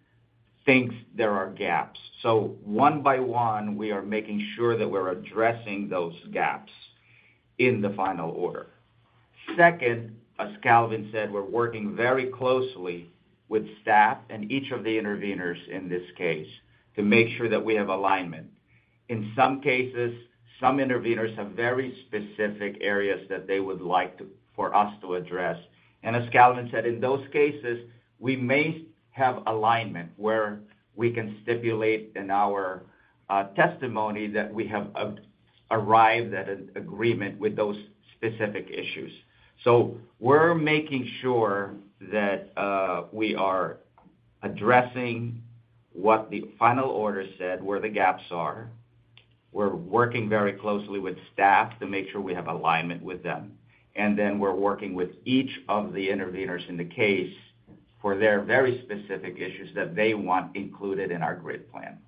thinks there are gaps. One by one, we are making sure that we're addressing those gaps in the final order. Second, as Calvin said, we're working very closely with staff and each of the intervenors in this case to make sure that we have alignment. In some cases, some intervenors have very specific areas that they would like for us to address. As Calvin said, in those cases, we may have alignment where we can stipulate in our testimony that we have arrived at an agreement with those specific issues. So we're making sure that we are addressing what the final order said, where the gaps are. We're working very closely with staff to make sure we have alignment with them. And then we're working with each of the intervenors in the case for their very specific issues that they want included in our grid plan.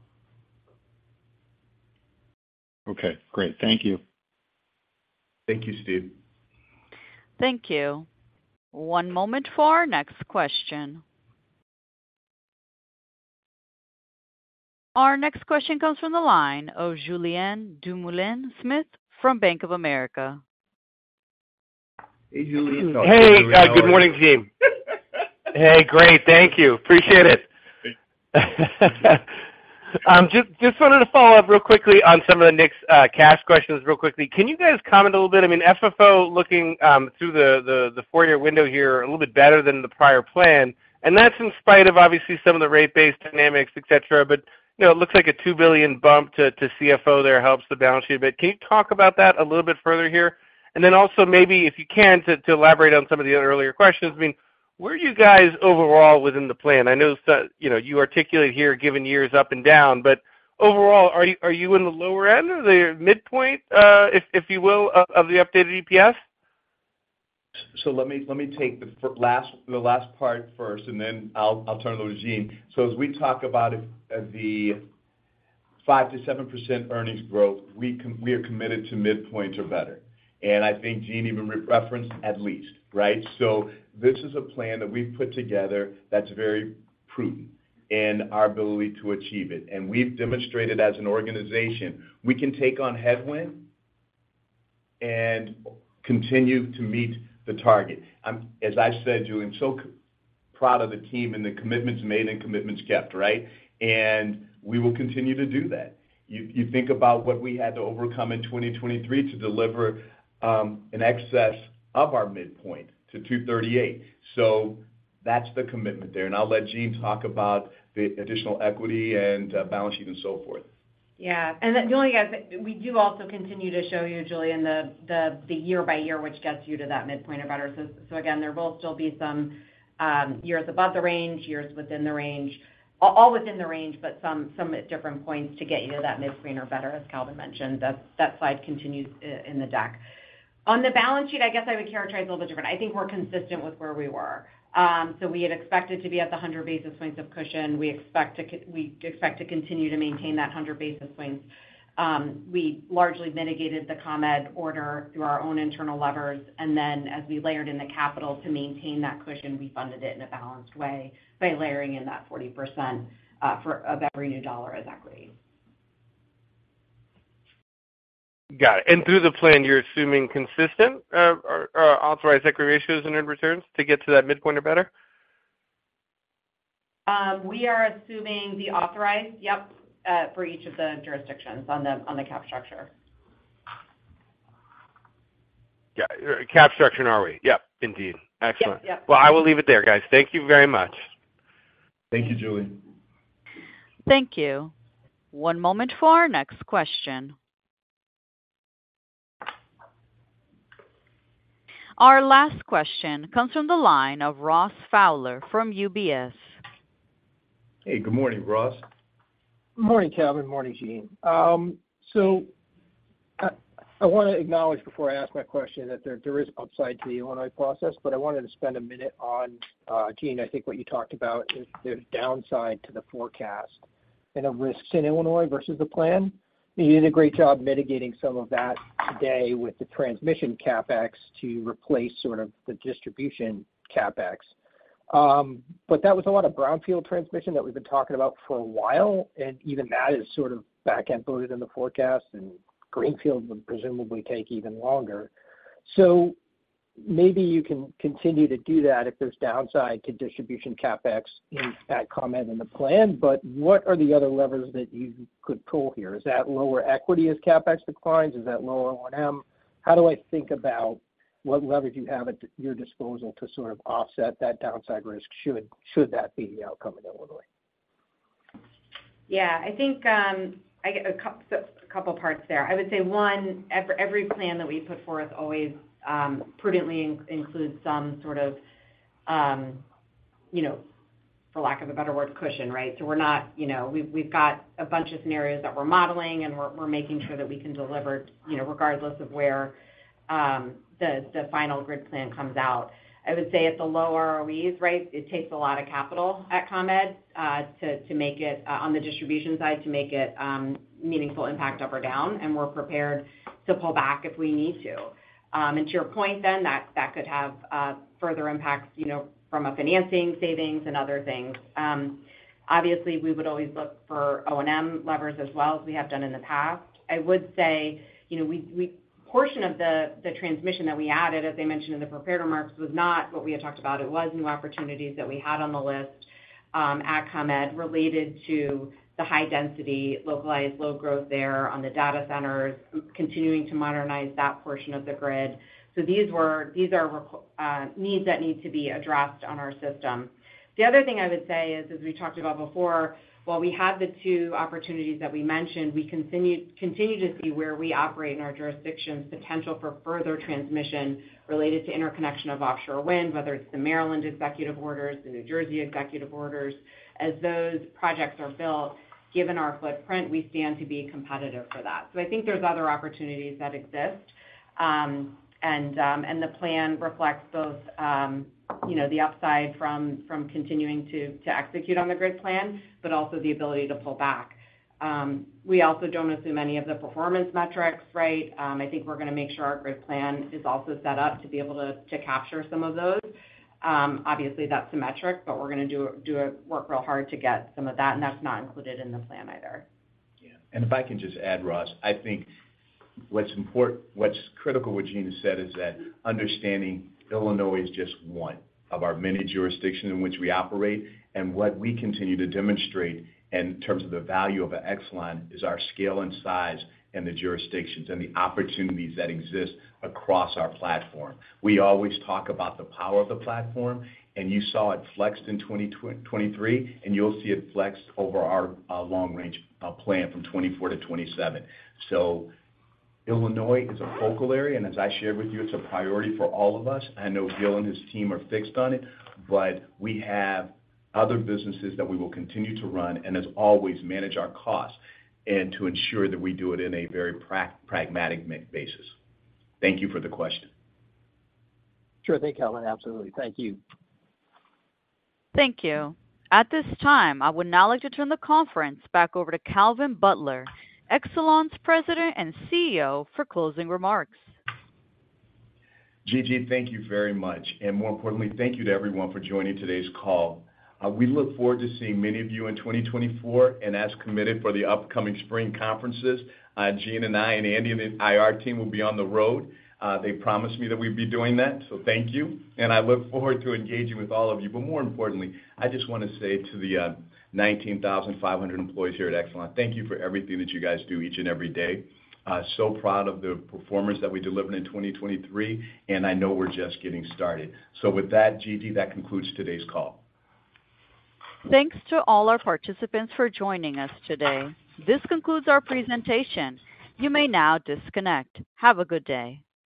Okay. Great. Thank you. Thank you, Steve. Thank you. One moment for our next question. Our next question comes from the line of Julien Dumoulin-Smith from Bank of America. Hey, Julien. Hey. Good morning, team. Hey. Great. Thank you. Appreciate it. Just wanted to follow up real quickly on some of Nick's cash questions real quickly. Can you guys comment a little bit? I mean, FFO looking through the four-year window here a little bit better than the prior plan, and that's in spite of, obviously, some of the rate-based dynamics, etc. But it looks like a $2 billion bump to CFO there helps the balance sheet a bit. Can you talk about that a little bit further here? And then also maybe, if you can, to elaborate on some of the earlier questions. I mean, where are you guys overall within the plan? I know you articulate here given years up and down, but overall, are you in the lower end or the midpoint, if you will, of the updated EPS? So let me take the last part first, and then I'll turn it over to Jeanne. So as we talk about the 5%-7% earnings growth, we are committed to midpoint or better. And I think Jeanne even referenced at least, right? So this is a plan that we've put together that's very prudent in our ability to achieve it. And we've demonstrated as an organization, we can take on headwind and continue to meet the target. As I said, Julien, I'm so proud of the team and the commitments made and commitments kept, right? We will continue to do that. You think about what we had to overcome in 2023 to deliver an excess of our midpoint to 238. So that's the commitment there. I'll let Jeanne talk about the additional equity and balance sheet and so forth. Yeah. The only thing we do also continue to show you, Julien, the year-by-year, which gets you to that midpoint or better. So again, there will still be some years above the range, years within the range all within the range, but some at different points to get you to that midpoint or better, as Calvin mentioned. That slide continues in the deck. On the balance sheet, I guess I would characterize it a little bit different. I think we're consistent with where we were. So we had expected to be at the 100 basis points of cushion. We expect to continue to maintain that 100 basis points. We largely mitigated the ComEd order through our own internal levers. And then as we layered in the capital to maintain that cushion, we funded it in a balanced way by layering in that 40% of every new dollar as equity. Got it. And through the plan, you're assuming consistent authorized equity ratios and earned returns to get to that midpoint or better? We are assuming the authorized, yep, for each of the jurisdictions on the cap structure. Got it. Cap structure, now are we? Yep, indeed. Excellent. Well, I will leave it there, guys. Thank you very much. Thank you, Julien. Thank you. One moment for our next question. Our last question comes from the line of Ross Fowler from UBS. Hey. Good morning, Ross. Good morning, Calvin. Morning, Jeanne. So I want to acknowledge before I ask my question that there is upside to the Illinois process, but I wanted to spend a minute on, Jeanne, I think what you talked about, the downside to the forecast and the risks in Illinois versus the plan. You did a great job mitigating some of that today with the transmission CapEx to replace sort of the distribution CapEx. But that was a lot of brownfield transmission that we've been talking about for a while, and even that is sort of back-end loaded in the forecast, and greenfield would presumably take even longer. So maybe you can continue to do that if there's downside to distribution CapEx at ComEd and the plan. But what are the other levers that you could pull here? Is that lower equity as CapEx declines? Is that lower O&M? How do I think about what levers you have at your disposal to sort of offset that downside risk, should that be the outcome in Illinois? Yeah. I think a couple of parts there. I would say, one, every plan that we put forth always prudently includes some sort of, for lack of a better word, cushion, right? So, we're not. We've got a bunch of scenarios that we're modeling, and we're making sure that we can deliver regardless of where the final grid plan comes out. I would say at the low ROEs, right, it takes a lot of capital at ComEd to make it on the distribution side to make it meaningful impact up or down, and we're prepared to pull back if we need to. And to your point then, that could have further impacts from financing, savings, and other things. Obviously, we would always look for O&M levers as well, as we have done in the past. I would say a portion of the transmission that we added, as I mentioned in the prepared remarks, was not what we had talked about. It was new opportunities that we had on the list at ComEd related to the high-density, localized, low growth there on the data centers, continuing to modernize that portion of the grid. So these are needs that need to be addressed on our system. The other thing I would say is, as we talked about before, while we had the two opportunities that we mentioned, we continue to see where we operate in our jurisdictions, potential for further transmission related to interconnection of offshore wind, whether it's the Maryland executive orders, the New Jersey executive orders. As those projects are built, given our footprint, we stand to be competitive for that. So I think there's other opportunities that exist, and the plan reflects both the upside from continuing to execute on the grid plan but also the ability to pull back. We also don't assume any of the performance metrics, right? I think we're going to make sure our grid plan is also set up to be able to capture some of those. Obviously, that's symmetric, but we're going to work real hard to get some of that, and that's not included in the plan either. Yeah. And if I can just add, Ross, I think what's critical, what Jeanne has said, is that understanding Illinois is just one of our many jurisdictions in which we operate. And what we continue to demonstrate in terms of the value of an Exelon is our scale and size and the jurisdictions and the opportunities that exist across our platform. We always talk about the power of the platform, and you saw it flexed in 2023, and you'll see it flexed over our long-range plan from 2024 to 2027. So Illinois is a focal area, and as I shared with you, it's a priority for all of us. I know Gil and his team are fixed on it, but we have other businesses that we will continue to run and, as always, manage our costs and to ensure that we do it in a very pragmatic basis. Thank you for the question. Sure. Thank you, Calvin. Absolutely. Thank you. Thank you. At this time, I would now like to turn the conference back over to Calvin Butler, Exelon's President and CEO, for closing remarks. Gigi, thank you very much. And more importantly, thank you to everyone for joining today's call. We look forward to seeing many of you in 2024 and as committed for the upcoming spring conferences. Jeanne and I and Andy and the IR team will be on the road. They promised me that we'd be doing that, so thank you. And I look forward to engaging with all of you. But more importantly, I just want to say to the 19,500 employees here at Exelon, thank you for everything that you guys do each and every day. So proud of the performance that we delivered in 2023, and I know we're just getting started. So with that, Gigi, that concludes today's call. Thanks to all our participants for joining us today. This concludes our presentation. You may now disconnect. Have a good day.